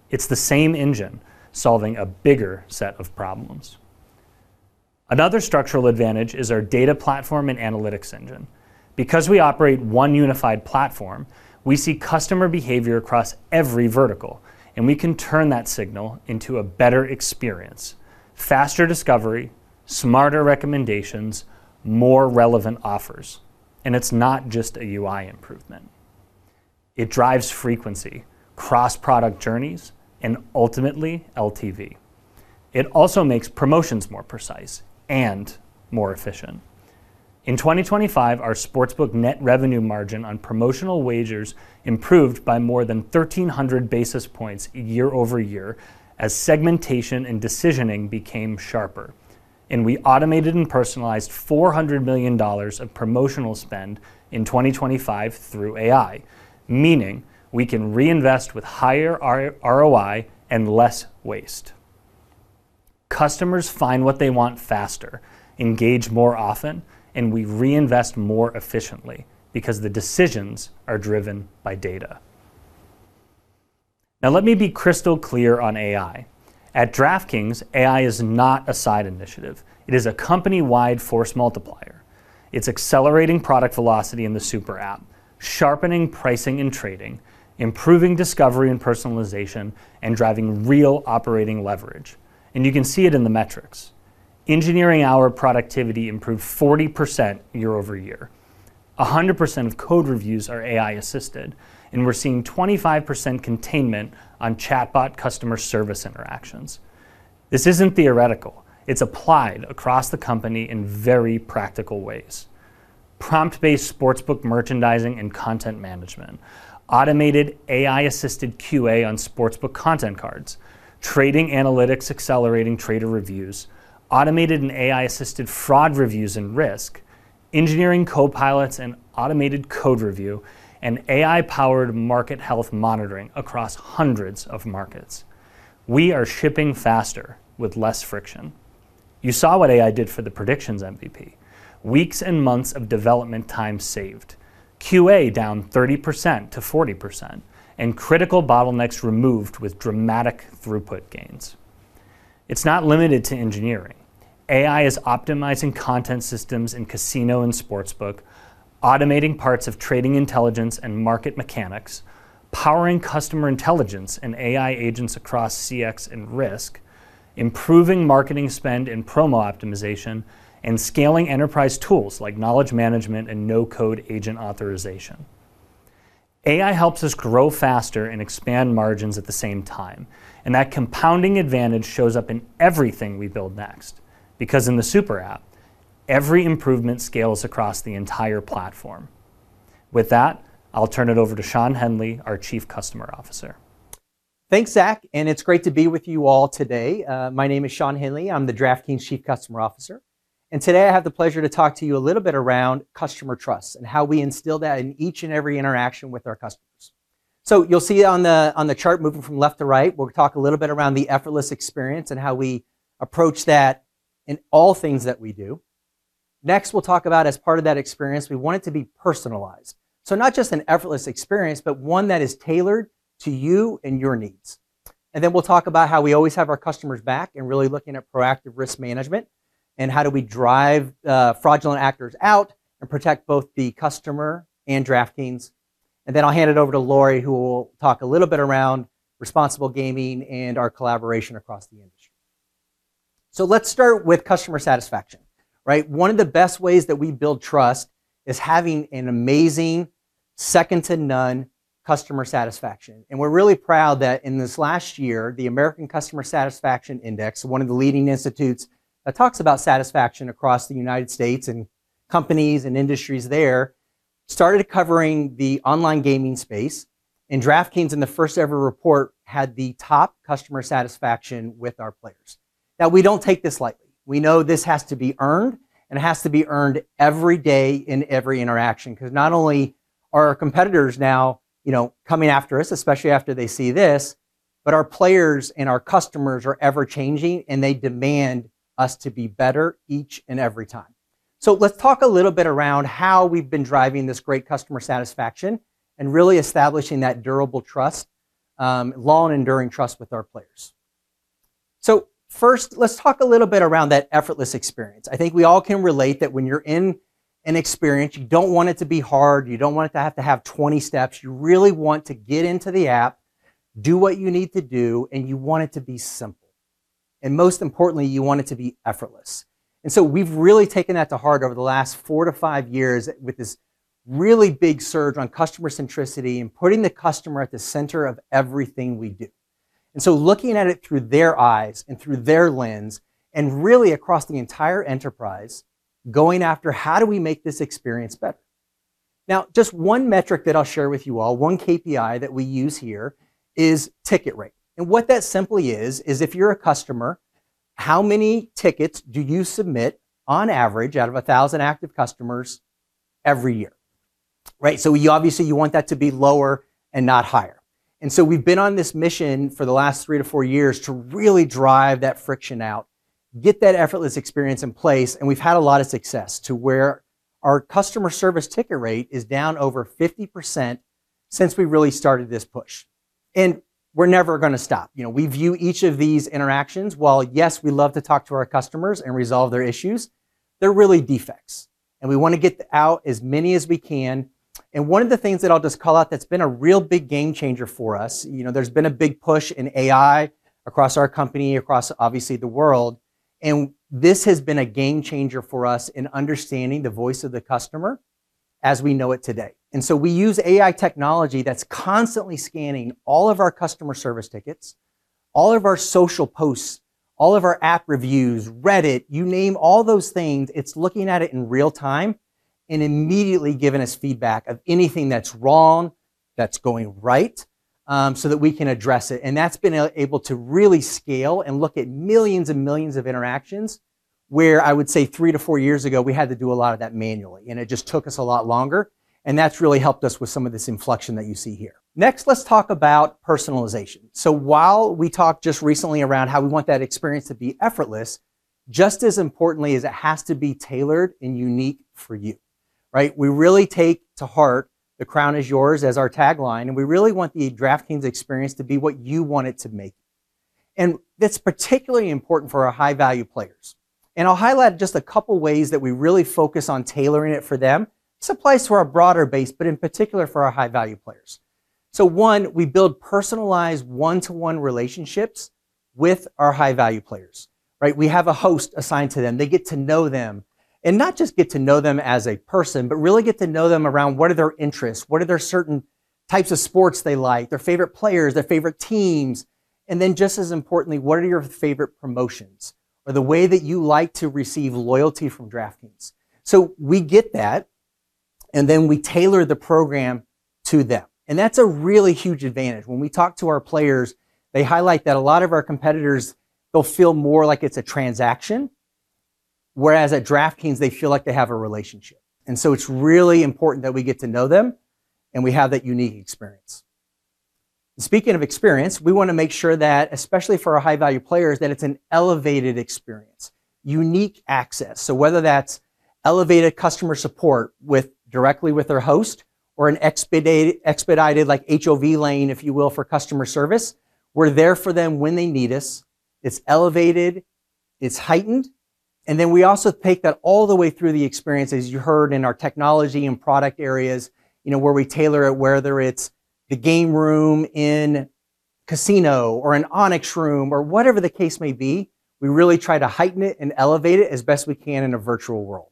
It's the same engine solving a bigger set of problems. Another structural advantage is our data platform and analytics engine. Because we operate one unified platform, we see customer behavior across every vertical, and we can turn that signal into a better experience, faster discovery, smarter recommendations, more relevant offers, and it's not just a UI improvement. It drives frequency, cross-product journeys, and ultimately LTV. It also makes promotions more precise and more efficient. In 2025, our Sportsbook net revenue margin on promotional wagers improved by more than 1,300 basis points year-over-year as segmentation and decisioning became sharper. We automated and personalized $400 million of promotional spend in 2025 through AI, meaning we can reinvest with higher ROI and less waste. Customers find what they want faster, engage more often, and we reinvest more efficiently because the decisions are driven by data. Let me be crystal clear on AI. At DraftKings, AI is not a side initiative. It is a company-wide force multiplier. It's accelerating product velocity in the Super App, sharpening pricing and trading, improving discovery and personalization, and driving real operating leverage. You can see it in the metrics. Engineering hour productivity improved 40% year-over-year. 100% of code reviews are AI-assisted, and we're seeing 25% containment on chatbot customer service interactions. This isn't theoretical. It's applied across the company in very practical ways. Prompt-based sportsbook merchandising and content management, automated AI-assisted QA on sportsbook content cards, trading analytics accelerating trader reviews, automated and AI-assisted fraud reviews and risk, engineering copilots and automated code review, and AI-powered market health monitoring across hundreds of markets. We are shipping faster with less friction. You saw what AI did for the Predictions MVP. Weeks and months of development time saved, QA down 30%-40%, and critical bottlenecks removed with dramatic throughput gains. It's not limited to engineering. AI is optimizing content systems in casino and sportsbook, automating parts of trading intelligence and market mechanics, powering customer intelligence and AI agents across CX and risk, improving marketing spend and promo optimization, and scaling enterprise tools like knowledge management and no-code agent authorization. AI helps us grow faster and expand margins at the same time, and that compounding advantage shows up in everything we build next, because in the super app, every improvement scales across the entire platform. With that, I'll turn it over to Shawn Henley, our Chief Customer Officer. Thanks, Zach, and it's great to be with you all today. My name is Shawn Henley. I'm the DraftKings Chief Customer Officer. Today I have the pleasure to talk to you a little bit around customer trust and how we instill that in each and every interaction with our customers. You'll see on the, on the chart moving from left to right, we'll talk a little bit around the effortless experience and how we approach that in all things that we do. Next, we'll talk about as part of that experience, we want it to be personalized. Not just an effortless experience, but one that is tailored to you and your needs. Then we'll talk about how we always have our customers' back and really looking at proactive risk management and how do we drive fraudulent actors out and protect both the customer and DraftKings. Then I'll hand it over to Lori, who will talk a little bit around responsible gaming and our collaboration across the industry. Let's start with customer satisfaction, right? One of the best ways that we build trust is having an amazing second to none customer satisfaction. We're really proud that in this last year, the American Customer Satisfaction Index, one of the leading institutes that talks about satisfaction across the United States and companies and industries there, started covering the online gaming space, and DraftKings in the first ever report had the top customer satisfaction with our players. We don't take this lightly. We know this has to be earned, and it has to be earned every day in every interaction, 'cause not only are our competitors now, you know, coming after us, especially after they see this, but our players and our customers are ever-changing, and they demand us to be better each and every time. Let's talk a little bit around how we've been driving this great customer satisfaction and really establishing that durable trust, long and enduring trust with our players. First, let's talk a little bit around that effortless experience. I think we all can relate that when you're in an experience, you don't want it to be hard, you don't want it to have to have 20 steps. You really want to get into the app, do what you need to do, and you want it to be simple. Most importantly, you want it to be effortless. We've really taken that to heart over the last 4 yeasrs - 5 years with this really big surge on customer centricity and putting the customer at the center of everything we do. Looking at it through their eyes and through their lens, and really across the entire enterprise, going after how do we make this experience better? Now, just one metric that I'll share with you all, 1 KPI that we use here is ticket rate. What that simply is if you're a customer, how many tickets do you submit on average out of 1,000 active customers every year, right? You obviously want that to be lower and not higher. We've been on this mission for the last 3 years-4 years to really drive that friction out, get that effortless experience in place, we've had a lot of success to where our customer service ticket rate is down over 50% since we really started this push. We're never gonna stop. You know, we view each of these interactions, while yes, we love to talk to our customers and resolve their issues, they're really defects, and we wanna get out as many as we can. One of the things that I'll just call out that's been a real big game changer for us, you know, there's been a big push in AI across our company, across obviously the world, and this has been a game changer for us in understanding the voice of the customer as we know it today. So we use AI technology that's constantly scanning all of our customer service tickets, all of our social posts, all of our app reviews, Reddit, you name all those things, it's looking at it in real time, and immediately giving us feedback of anything that's wrong, that's going right, so that we can address it. That's been able to really scale and look at millions and millions of interactions, where I would say three to four years ago, we had to do a lot of that manually, and it just took us a lot longer, and that's really helped us with some of this inflection that you see here. Next, let's talk about personalization. While we talked just recently around how we want that experience to be effortless, just as importantly is it has to be tailored and unique for you, right? We really take to heart, the crown is yours as our tagline, we really want the DraftKings experience to be what you want it to make. That's particularly important for our high-value players. I'll highlight just a couple of ways that we really focus on tailoring it for them. This applies to our broader base, but in particular for our high-value players. One, we build personalized one-to-one relationships with our high-value players, right? We have a host assigned to them. They get to know them, and not just get to know them as a person, but really get to know them around what are their interests, what are their certain types of sports they like, their favorite players, their favorite teams, and then just as importantly, what are your favorite promotions, or the way that you like to receive loyalty from DraftKings. We get that, and then we tailor the program to them. That's a really huge advantage. When we talk to our players, they highlight that a lot of our competitors, they'll feel more like it's a transaction, whereas at DraftKings, they feel like they have a relationship. It's really important that we get to know them, and we have that unique experience. Speaking of experience, we wanna make sure that, especially for our high-value players, that it's an elevated experience, unique access. Whether that's elevated customer support directly with their host or an expedited like HOV lane, if you will, for customer service, we're there for them when they need us. It's elevated, it's heightened. We also take that all the way through the experience, as you heard in our technology and product areas, you know, where we tailor it, whether it's the game room in casino or an Onyx Room or whatever the case may be, we really try to heighten it and elevate it as best we can in a virtual world.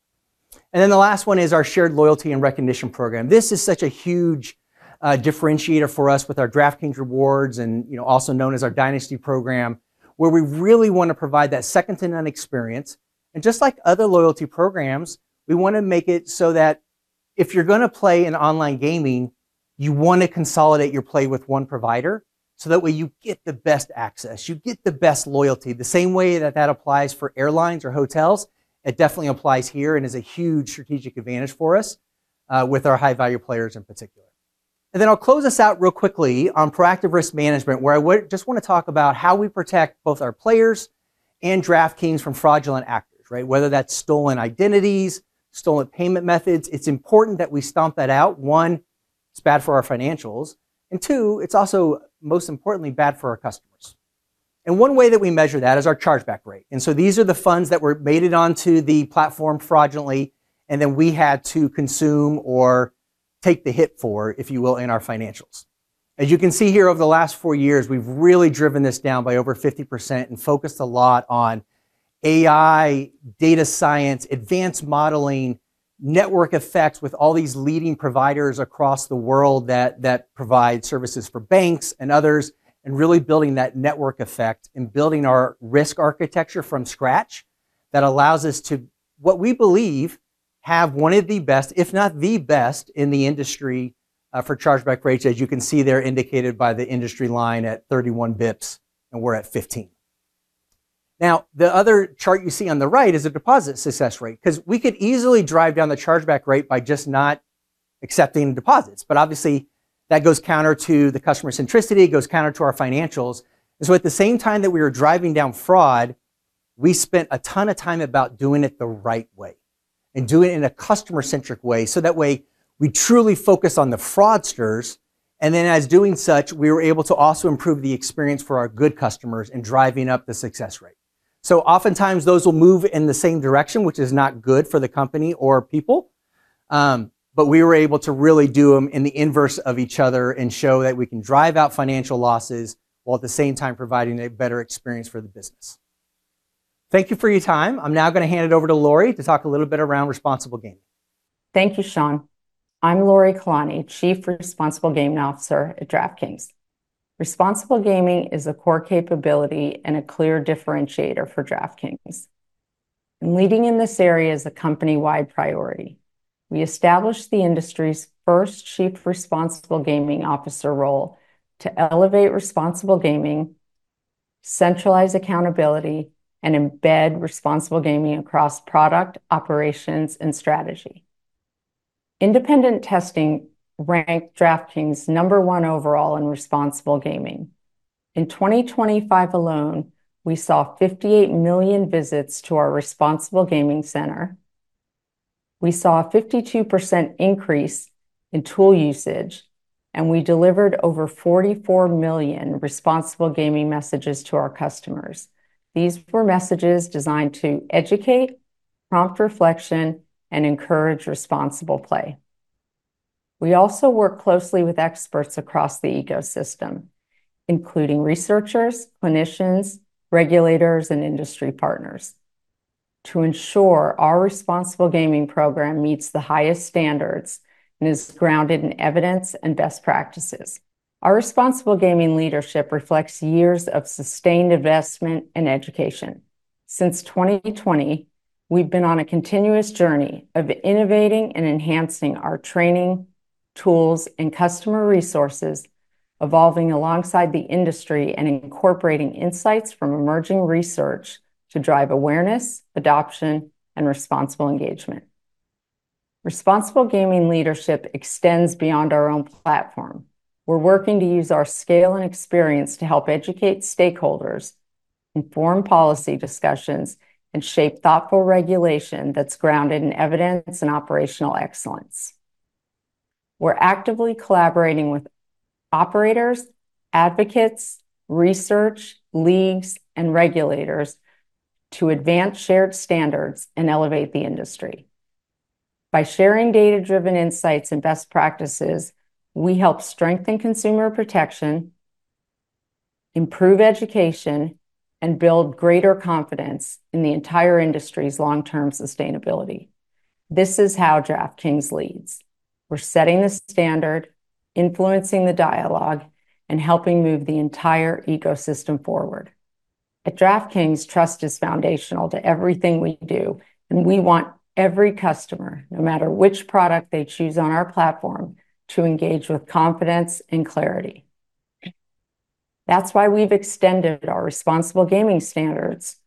The last one is our shared loyalty and recognition program. This is such a huge differentiator for us with our Dynasty Rewards and, you know, also known as our Dynasty program, where we really wanna provide that second-to-none experience. Just like other loyalty programs, we wanna make it so that if you're gonna play in online gaming, you wanna consolidate your play with one provider, so that way you get the best access, you get the best loyalty. The same way that that applies for airlines or hotels, it definitely applies here and is a huge strategic advantage for us with our high-value players in particular. Then I'll close this out real quickly on proactive risk management, where I just wanna talk about how we protect both our players and DraftKings from fraudulent actors, right. Whether that's stolen identities, stolen payment methods, it's important that we stomp that out. One, it's bad for our financials, and two, it's also, most importantly, bad for our customers. One way that we measure that is our chargeback rate. These are the funds that were made it onto the platform fraudulently, and then we had to consume or take the hit for, if you will, in our financials. As you can see here over the last four years, we've really driven this down by over 50% and focused a lot on AI, data science, advanced modeling, network effects with all these leading providers across the world that provide services for banks and others, and really building that network effect and building our risk architecture from scratch that allows us to, what we believe, have one of the best, if not the best in the industry, for chargeback rates. As you can see, they're indicated by the industry line at 31 bps, and we're at 15. The other chart you see on the right is a deposit success rate because we could easily drive down the chargeback rate by just not accepting deposits. Obviously, that goes counter to the customer centricity, it goes counter to our financials. At the same time that we were driving down fraud, we spent a ton of time about doing it the right way and doing it in a customer-centric way, so that way we truly focus on the fraudsters. As doing such, we were able to also improve the experience for our good customers in driving up the success rate. Oftentimes, those will move in the same direction, which is not good for the company or people, but we were able to really do them in the inverse of each other and show that we can drive out financial losses while at the same time providing a better experience for the business. Thank you for your time. I'm now gonna hand it over to Lori to talk a little bit around responsible gaming. Thank you, Shawn. I'm Lori Kalani, Chief Responsible Gaming Officer at DraftKings. Responsible gaming is a core capability and a clear differentiator for DraftKings. Leading in this area is a company-wide priority. We established the industry's first Chief Responsible Gaming Officer role to elevate responsible gaming, centralize accountability, and embed responsible gaming across product, operations, and strategy. Independent testing ranked DraftKings number one overall in responsible gaming. In 2025 alone, we saw 58 million visits to our Responsible Gaming Center, we saw a 52% increase in tool usage, We delivered over 44 million responsible gaming messages to our customers. These were messages designed to educate, prompt reflection, and encourage responsible play. We also work closely with experts across the ecosystem, including researchers, clinicians, regulators, and industry partners to ensure our responsible gaming program meets the highest standards and is grounded in evidence and best practices. Our responsible gaming leadership reflects years of sustained investment in education. Since 2020, we've been on a continuous journey of innovating and enhancing our training, tools, and customer resources, evolving alongside the industry and incorporating insights from emerging research to drive awareness, adoption, and responsible engagement. Responsible gaming leadership extends beyond our own platform. We're working to use our scale and experience to help educate stakeholders, inform policy discussions, and shape thoughtful regulation that's grounded in evidence and operational excellence. We're actively collaborating with operators, advocates, research, leagues, and regulators to advance shared standards and elevate the industry. By sharing data-driven insights and best practices, we help strengthen consumer protection, improve education, and build greater confidence in the entire industry's long-term sustainability. This is how DraftKings leads. We're setting the standard, influencing the dialogue, and helping move the entire ecosystem forward. At DraftKings, trust is foundational to everything we do. We want every customer, no matter which product they choose on our platform, to engage with confidence and clarity. That's why we've extended our responsible gaming standards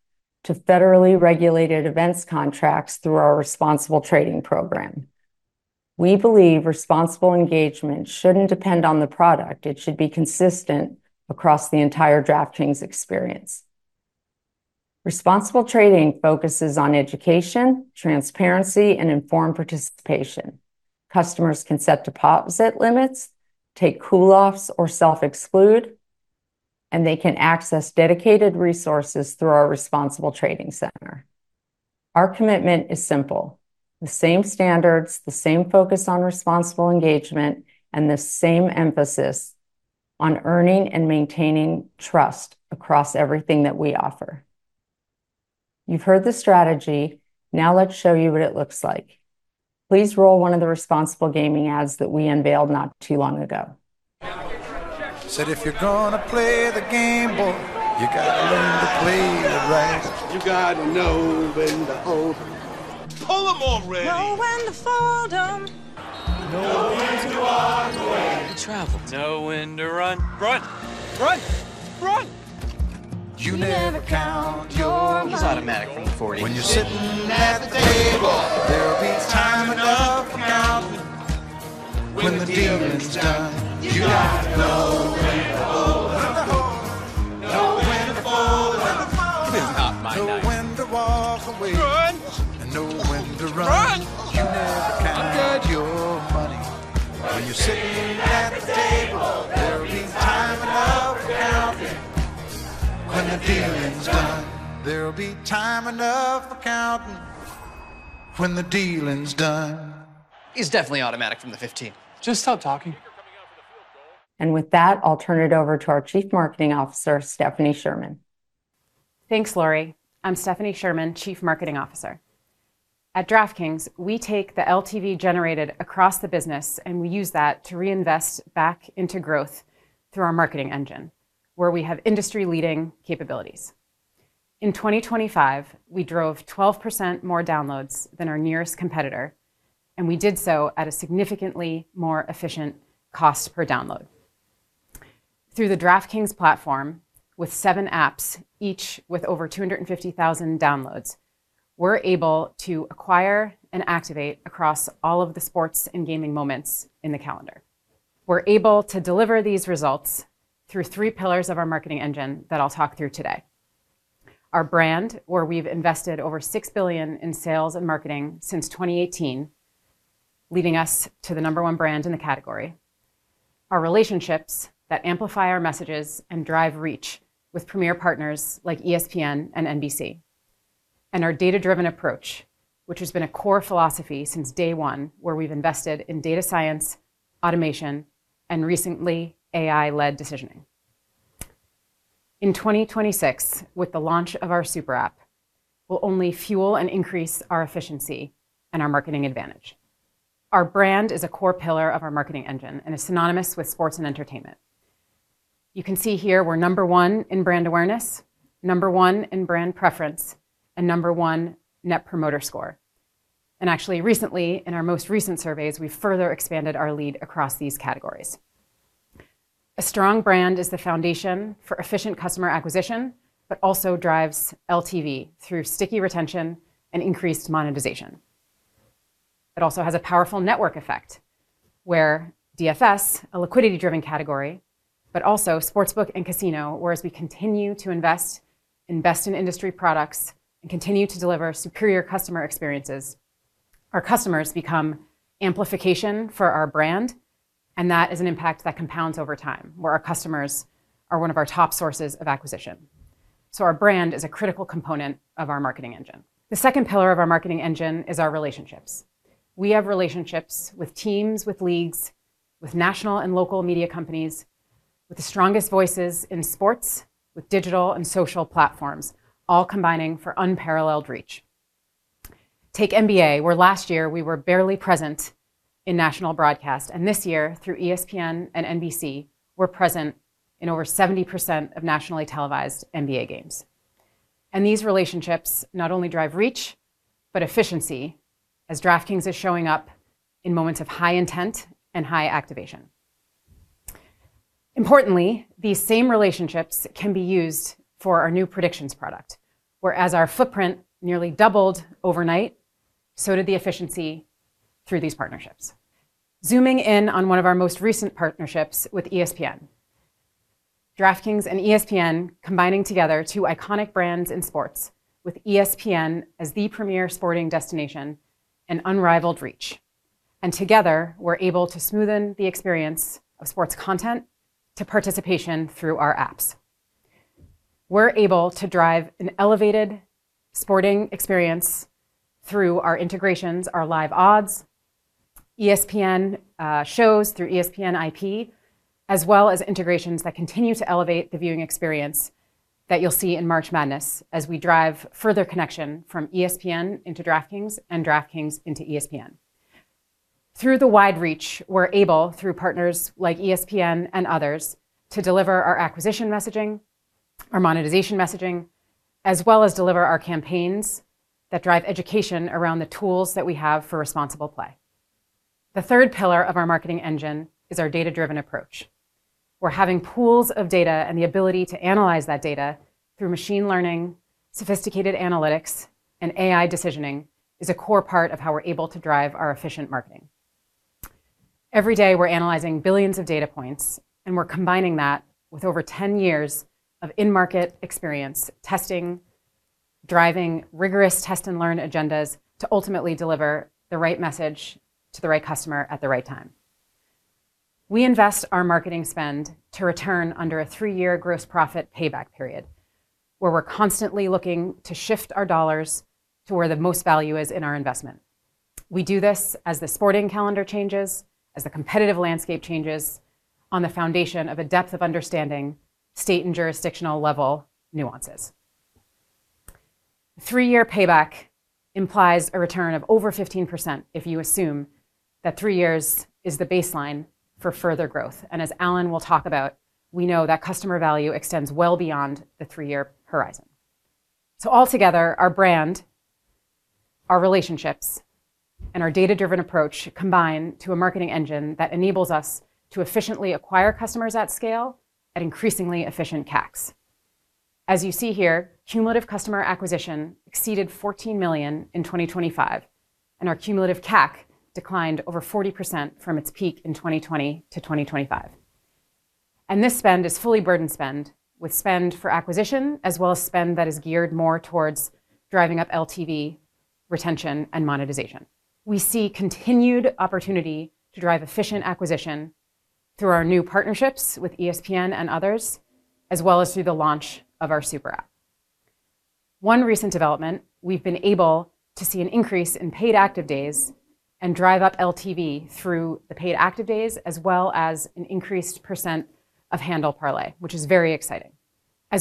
to federally regulated events contracts through our Responsible Trading Program. We believe responsible engagement shouldn't depend on the product. It should be consistent across the entire DraftKings experience. Responsible trading focuses on education, transparency, and informed participation. Customers can set deposit limits, take cool-offs or self-exclude, and they can access dedicated resources through our Responsible Trading Center. Our commitment is simple: the same standards, the same focus on responsible engagement, and the same emphasis on earning and maintaining trust across everything that we offer. You've heard the strategy. Let's show you what it looks like. Please roll one of the responsible gaming ads that we unveiled not too long ago. Said if you're gonna play the game, boy, you gotta learn to play it right. You gotta know when to hold 'em. Pull 'em already. Know when to fold 'em. Know when to walk away. He travels. Know when to run. Run, run. You never count your money. He's automatic from the 40. When you're sittin' at the table. There'll be time enough for countin' when the dealing's done. You gotta know when to hold 'em. Know when to hold 'em. Know when to fold 'em. Know when to fold 'em. It is not my night. Know when to walk away. Run. Know when to run. Run. You never count your money when you're sittin' at the table. There'll be time enough for countin' when the dealing's done. There'll be time enough for countin' when the dealing's done. He's definitely automatic from the 15. Just stop talking. With that, I'll turn it over to our Chief Marketing Officer, Stephanie Sherman. Thanks, Lori. I'm Stephanie Sherman, Chief Marketing Officer. At DraftKings, we take the LTV generated across the business, and we use that to reinvest back into growth through our marketing engine, where we have industry-leading capabilities. In 2025, we drove 12% more downloads than our nearest competitor, and we did so at a significantly more efficient cost per download. Through the DraftKings platform with seven apps, each with over 250,000 downloads, we're able to acquire and activate across all of the sports and gaming moments in the calendar. We're able to deliver these results through three pillars of our marketing engine that I'll talk through today. Our brand, where we've invested over $6 billion in sales and marketing since 2018, leading us to the number one brand in the category. Our relationships that amplify our messages and drive reach with premier partners like ESPN and NBC. Our data-driven approach, which has been a core philosophy since day one, where we've invested in data science, automation, and recently, AI-led decisioning. In 2026, with the launch of our Super App, will only fuel and increase our efficiency and our marketing advantage. Our brand is a core pillar of our marketing engine and is synonymous with sports and entertainment. You can see here we're number one in brand awareness, number one in brand preference, and number one net promoter score. Actually recently, in our most recent surveys, we further expanded our lead across these categories. A strong brand is the foundation for efficient customer acquisition but also drives LTV through sticky retention and increased monetization. It also has a powerful network effect where DFS, a liquidity-driven category, but also Sportsbook and Casino, whereas we continue to invest in industry products, and continue to deliver superior customer experiences. Our customers become amplification for our brand, and that is an impact that compounds over time, where our customers are one of our top sources of acquisition. Our brand is a critical component of our marketing engine. The second pillar of our marketing engine is our relationships. We have relationships with teams, with leagues, with national and local media companies, with the strongest voices in sports, with digital and social platforms, all combining for unparalleled reach. Take NBA, where last year we were barely present in national broadcast, and this year, through ESPN and NBC, we're present in over 70% of nationally televised NBA games. These relationships not only drive reach, but efficiency, as DraftKings is showing up in moments of high intent and high activation. Importantly, these same relationships can be used for our new Predictions product, where as our footprint nearly doubled overnight, so did the efficiency through these partnerships. Zooming in on one of our most recent partnerships with ESPN. DraftKings and ESPN combining together two iconic brands in sports with ESPN as the premier sporting destination and unrivaled reach. Together, we're able to smoothen the experience of sports content to participation through our apps. We're able to drive an elevated sporting experience through our integrations, our live odds, ESPN shows through ESPN IP, as well as integrations that continue to elevate the viewing experience that you'll see in March Madness as we drive further connection from ESPN into DraftKings and DraftKings into ESPN. Through the wide reach, we're able, through partners like ESPN and others, to deliver our acquisition messaging, our monetization messaging, as well as deliver our campaigns that drive education around the tools that we have for responsible play. The third pillar of our marketing engine is our data-driven approach. We're having pools of data and the ability to analyze that data through machine learning, sophisticated analytics, and AI decisioning is a core part of how we're able to drive our efficient marketing. Every day, we're analyzing billions of data points, and we're combining that with over 10 years of in-market experience testing, driving rigorous test and learn agendas to ultimately deliver the right message to the right customer at the right time. We invest our marketing spend to return under a three-year gross profit payback period, where we're constantly looking to shift our dollars to where the most value is in our investment. We do this as the sporting calendar changes, as the competitive landscape changes on the foundation of a depth of understanding state and jurisdictional-level nuances. Three-year payback implies a return of over 15% if you assume that three years is the baseline for further growth. As Alan will talk about, we know that customer value extends well beyond the three-year horizon. Altogether, our brand, our relationships, and our data-driven approach combine to a marketing engine that enables us to efficiently acquire customers at scale at increasingly efficient CACs. As you see here, cumulative customer acquisition exceeded $14 million in 2025, and our cumulative CAC declined over 40% from its peak in 2020 to 2025. This spend is fully burdened spend, with spend for acquisition as well as spend that is geared more towards driving up LTV, retention, and monetization. We see continued opportunity to drive efficient acquisition through our new partnerships with ESPN and others, as well as through the launch of our Super App. One recent development, we've been able to see an increase in paid active days and drive up LTV through the paid active days, as well as an increased percent of handle parlay, which is very exciting.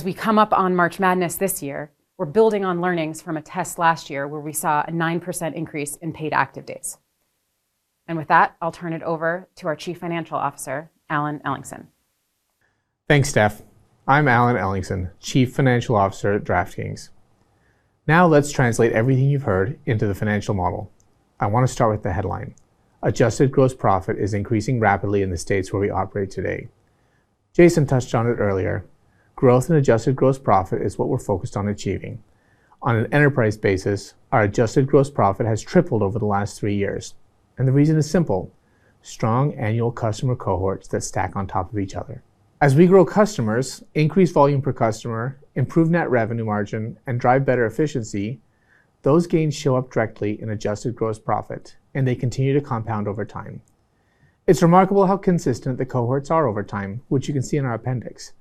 We come up on March Madness this year, we're building on learnings from a test last year where we saw a 9% increase in paid active days. With that, I'll turn it over to our Chief Financial Officer, Alan Ellingson. Thanks, Steph. I'm Alan Ellingson, Chief Financial Officer at DraftKings. Let's translate everything you've heard into the financial model. I wanna start with the headline. Adjusted gross profit is increasing rapidly in the states where we operate today. Jason touched on it earlier. Growth in adjusted gross profit is what we're focused on achieving. On an enterprise basis, our adjusted gross profit has tripled over the last three years, and the reason is simple: strong annual customer cohorts that stack on top of each other. As we grow customers, increase volume per customer, improve net revenue margin, and drive better efficiency, those gains show up directly in adjusted gross profit, and they continue to compound over time. It's remarkable how consistent the cohorts are over time, which you can see in our appendix.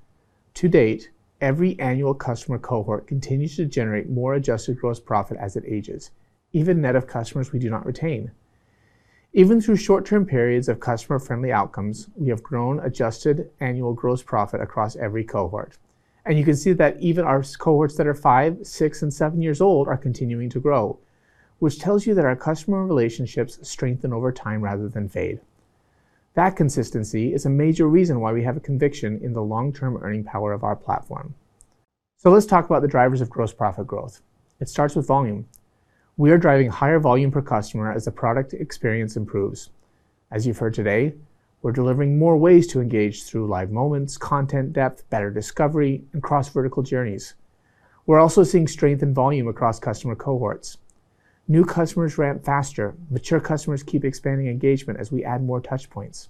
To date, every annual customer cohort continues to generate more adjusted gross profit as it ages, even net of customers we do not retain. Even through short-term periods of customer-friendly outcomes, we have grown adjusted annual gross profit across every cohort. You can see that even our cohorts that are five, six, and seven years old are continuing to grow, which tells you that our customer relationships strengthen over time rather than fade. That consistency is a major reason why we have a conviction in the long-term earning power of our platform. Let's talk about the drivers of gross profit growth. It starts with volume. We are driving higher volume per customer as the product experience improves. As you've heard today, we're delivering more ways to engage through live moments, content depth, better discovery, and cross-vertical journeys. We're also seeing strength in volume across customer cohorts. New customers ramp faster. Mature customers keep expanding engagement as we add more touch points.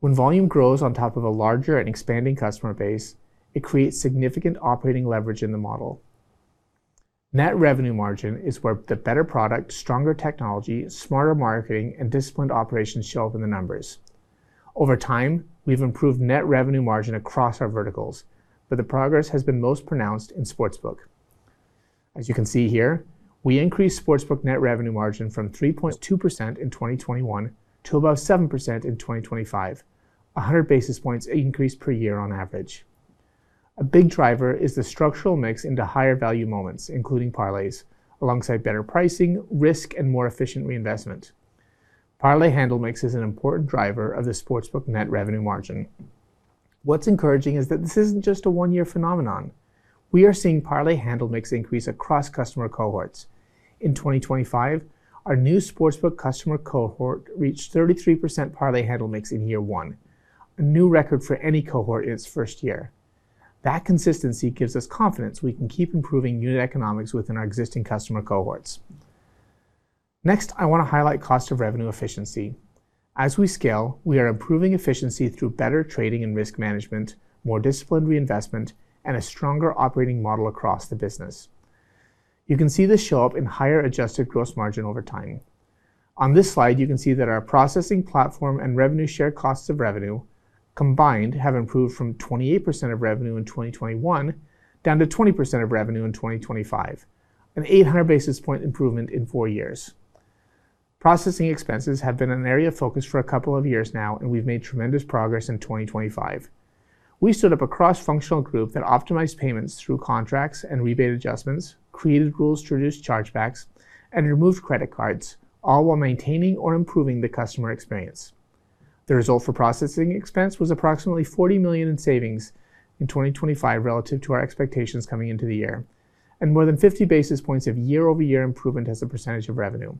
When volume grows on top of a larger and expanding customer base, it creates significant operating leverage in the model. Net revenue margin is where the better product, stronger technology, smarter marketing, and disciplined operations show up in the numbers. Over time, we've improved net revenue margin across our verticals, but the progress has been most pronounced in Sportsbook. As you can see here, we increased Sportsbook net revenue margin from 3.2% in 2021 to above 7% in 2025, a 100 basis points increase per year on average. A big driver is the structural mix into higher value moments, including parlays, alongside better pricing, risk, and more efficient reinvestment. Parlay handle mix is an important driver of the Sportsbook net revenue margin. What's encouraging is that this isn't just a one-year phenomenon. We are seeing parlay handle mix increase across customer cohorts. In 2025, our new Sportsbook customer cohort reached 33% parlay handle mix in year one, a new record for any cohort in its first year. That consistency gives us confidence we can keep improving unit economics within our existing customer cohorts. Next, I wanna highlight cost of revenue efficiency. As we scale, we are improving efficiency through better trading and risk management, more disciplined reinvestment, and a stronger operating model across the business. You can see this show up in higher adjusted gross margin over time. On this slide, you can see that our processing platform and revenue share costs of revenue combined have improved from 28% of revenue in 2021 down to 20% of revenue in 2025, an 800 basis point improvement in four years. Processing expenses have been an area of focus for a couple of years now, and we've made tremendous progress in 2025. We stood up a cross-functional group that optimized payments through contracts and rebate adjustments, created rules to reduce chargebacks, and removed credit cards, all while maintaining or improving the customer experience. The result for processing expense was approximately $40 million in savings in 2025 relative to our expectations coming into the year, and more than 50 basis points of year-over-year improvement as a percentage of revenue.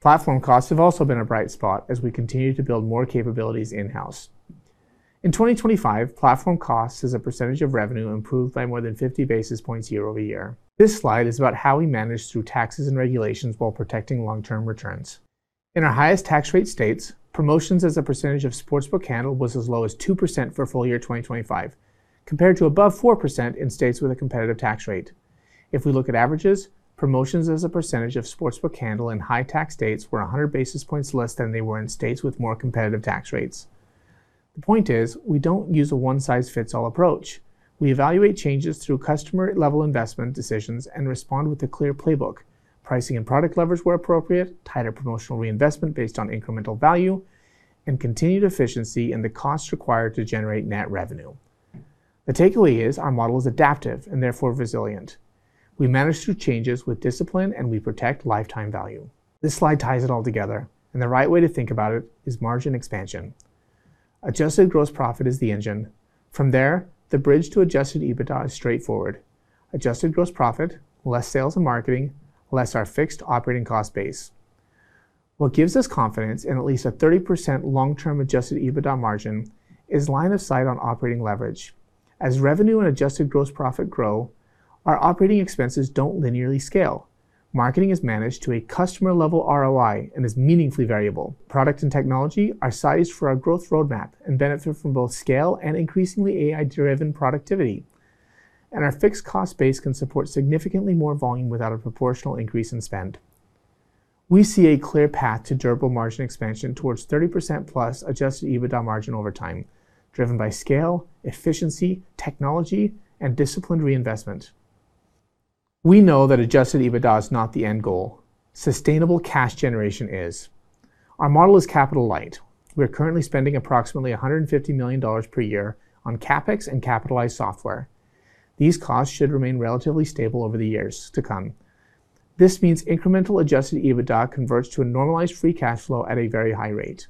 Platform costs have also been a bright spot as we continue to build more capabilities in-house. In 2025, platform costs as a percentage of revenue improved by more than 50 basis points year-over-year. This slide is about how we manage through taxes and regulations while protecting long-term returns. In our highest tax rate states, promotions as a percentage of Sportsbook handle was as low as 2% for full year 2025, compared to above 4% in states with a competitive tax rate. If we look at averages, promotions as a percentage of Sportsbook handle in high tax states were 100 basis points less than they were in states with more competitive tax rates. The point is, we don't use a one-size-fits-all approach. We evaluate changes through customer-level investment decisions and respond with a clear playbook, pricing and product levers where appropriate, tighter promotional reinvestment based on incremental value, and continued efficiency in the costs required to generate net revenue. The takeaway is our model is adaptive and therefore resilient. We manage through changes with discipline, and we protect lifetime value. This slide ties it all together, the right way to think about it is margin expansion. Adjusted gross profit is the engine. From there, the bridge to Adjusted EBITDA is straightforward. Adjusted gross profit, less sales and marketing, less our fixed operating cost base. What gives us confidence in at least a 30% long-term Adjusted EBITDA margin is line of sight on operating leverage. As revenue and Adjusted gross profit grow, our operating expenses don't linearly scale. Marketing is managed to a customer-level ROI and is meaningfully variable. Product and technology are sized for our growth roadmap and benefit from both scale and increasingly AI-driven productivity. Our fixed cost base can support significantly more volume without a proportional increase in spend. We see a clear path to durable margin expansion towards 30%+ Adjusted EBITDA margin over time, driven by scale, efficiency, technology, and disciplined reinvestment. We know that Adjusted EBITDA is not the end goal. Sustainable cash generation is. Our model is capital light. We are currently spending approximately $150 million per year on CapEx and capitalized software. These costs should remain relatively stable over the years to come. This means incremental Adjusted EBITDA converts to a normalized free cash flow at a very high rate.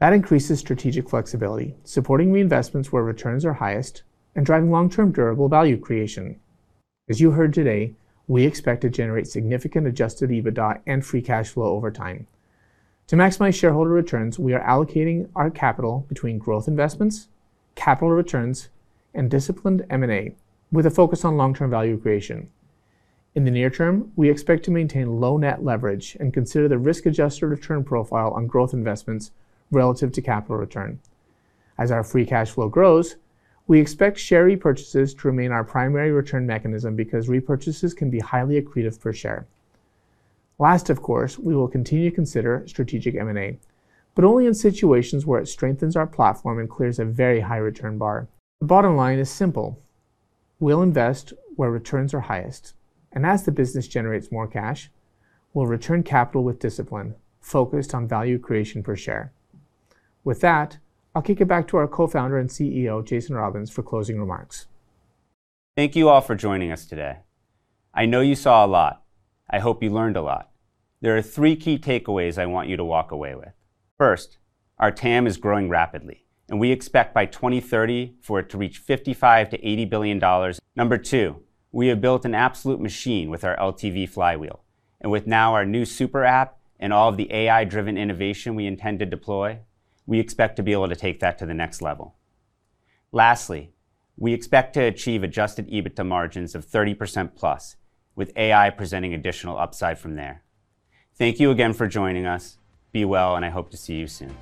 That increases strategic flexibility, supporting reinvestments where returns are highest and driving long-term durable value creation. As you heard today, we expect to generate significant Adjusted EBITDA and free cash flow over time. To maximize shareholder returns, we are allocating our capital between growth investments, capital returns, and disciplined M&A with a focus on long-term value creation. In the near term, we expect to maintain low net leverage and consider the risk-adjusted return profile on growth investments relative to capital return. As our free cash flow grows, we expect share repurchases to remain our primary return mechanism because repurchases can be highly accretive per share. Last, of course, we will continue to consider strategic M&A, but only in situations where it strengthens our platform and clears a very high return bar. The bottom line is simple: we'll invest where returns are highest, and as the business generates more cash, we'll return capital with discipline focused on value creation per share. With that, I'll kick it back to our Co-founder and CEO, Jason Robins, for closing remarks. Thank you all for joining us today. I know you saw a lot. I hope you learned a lot. There are three key takeaways I want you to walk away with. First, our TAM is growing rapidly, we expect by 2030 for it to reach $55 billion-$80 billion. Number two, we have built an absolute machine with our LTV flywheel, with now our new Super App and all of the AI-driven innovation we intend to deploy, we expect to be able to take that to the next level. Lastly, we expect to achieve Adjusted EBITDA margins of 30%+, with AI presenting additional upside from there. Thank you again for joining us. Be well, I hope to see you soon.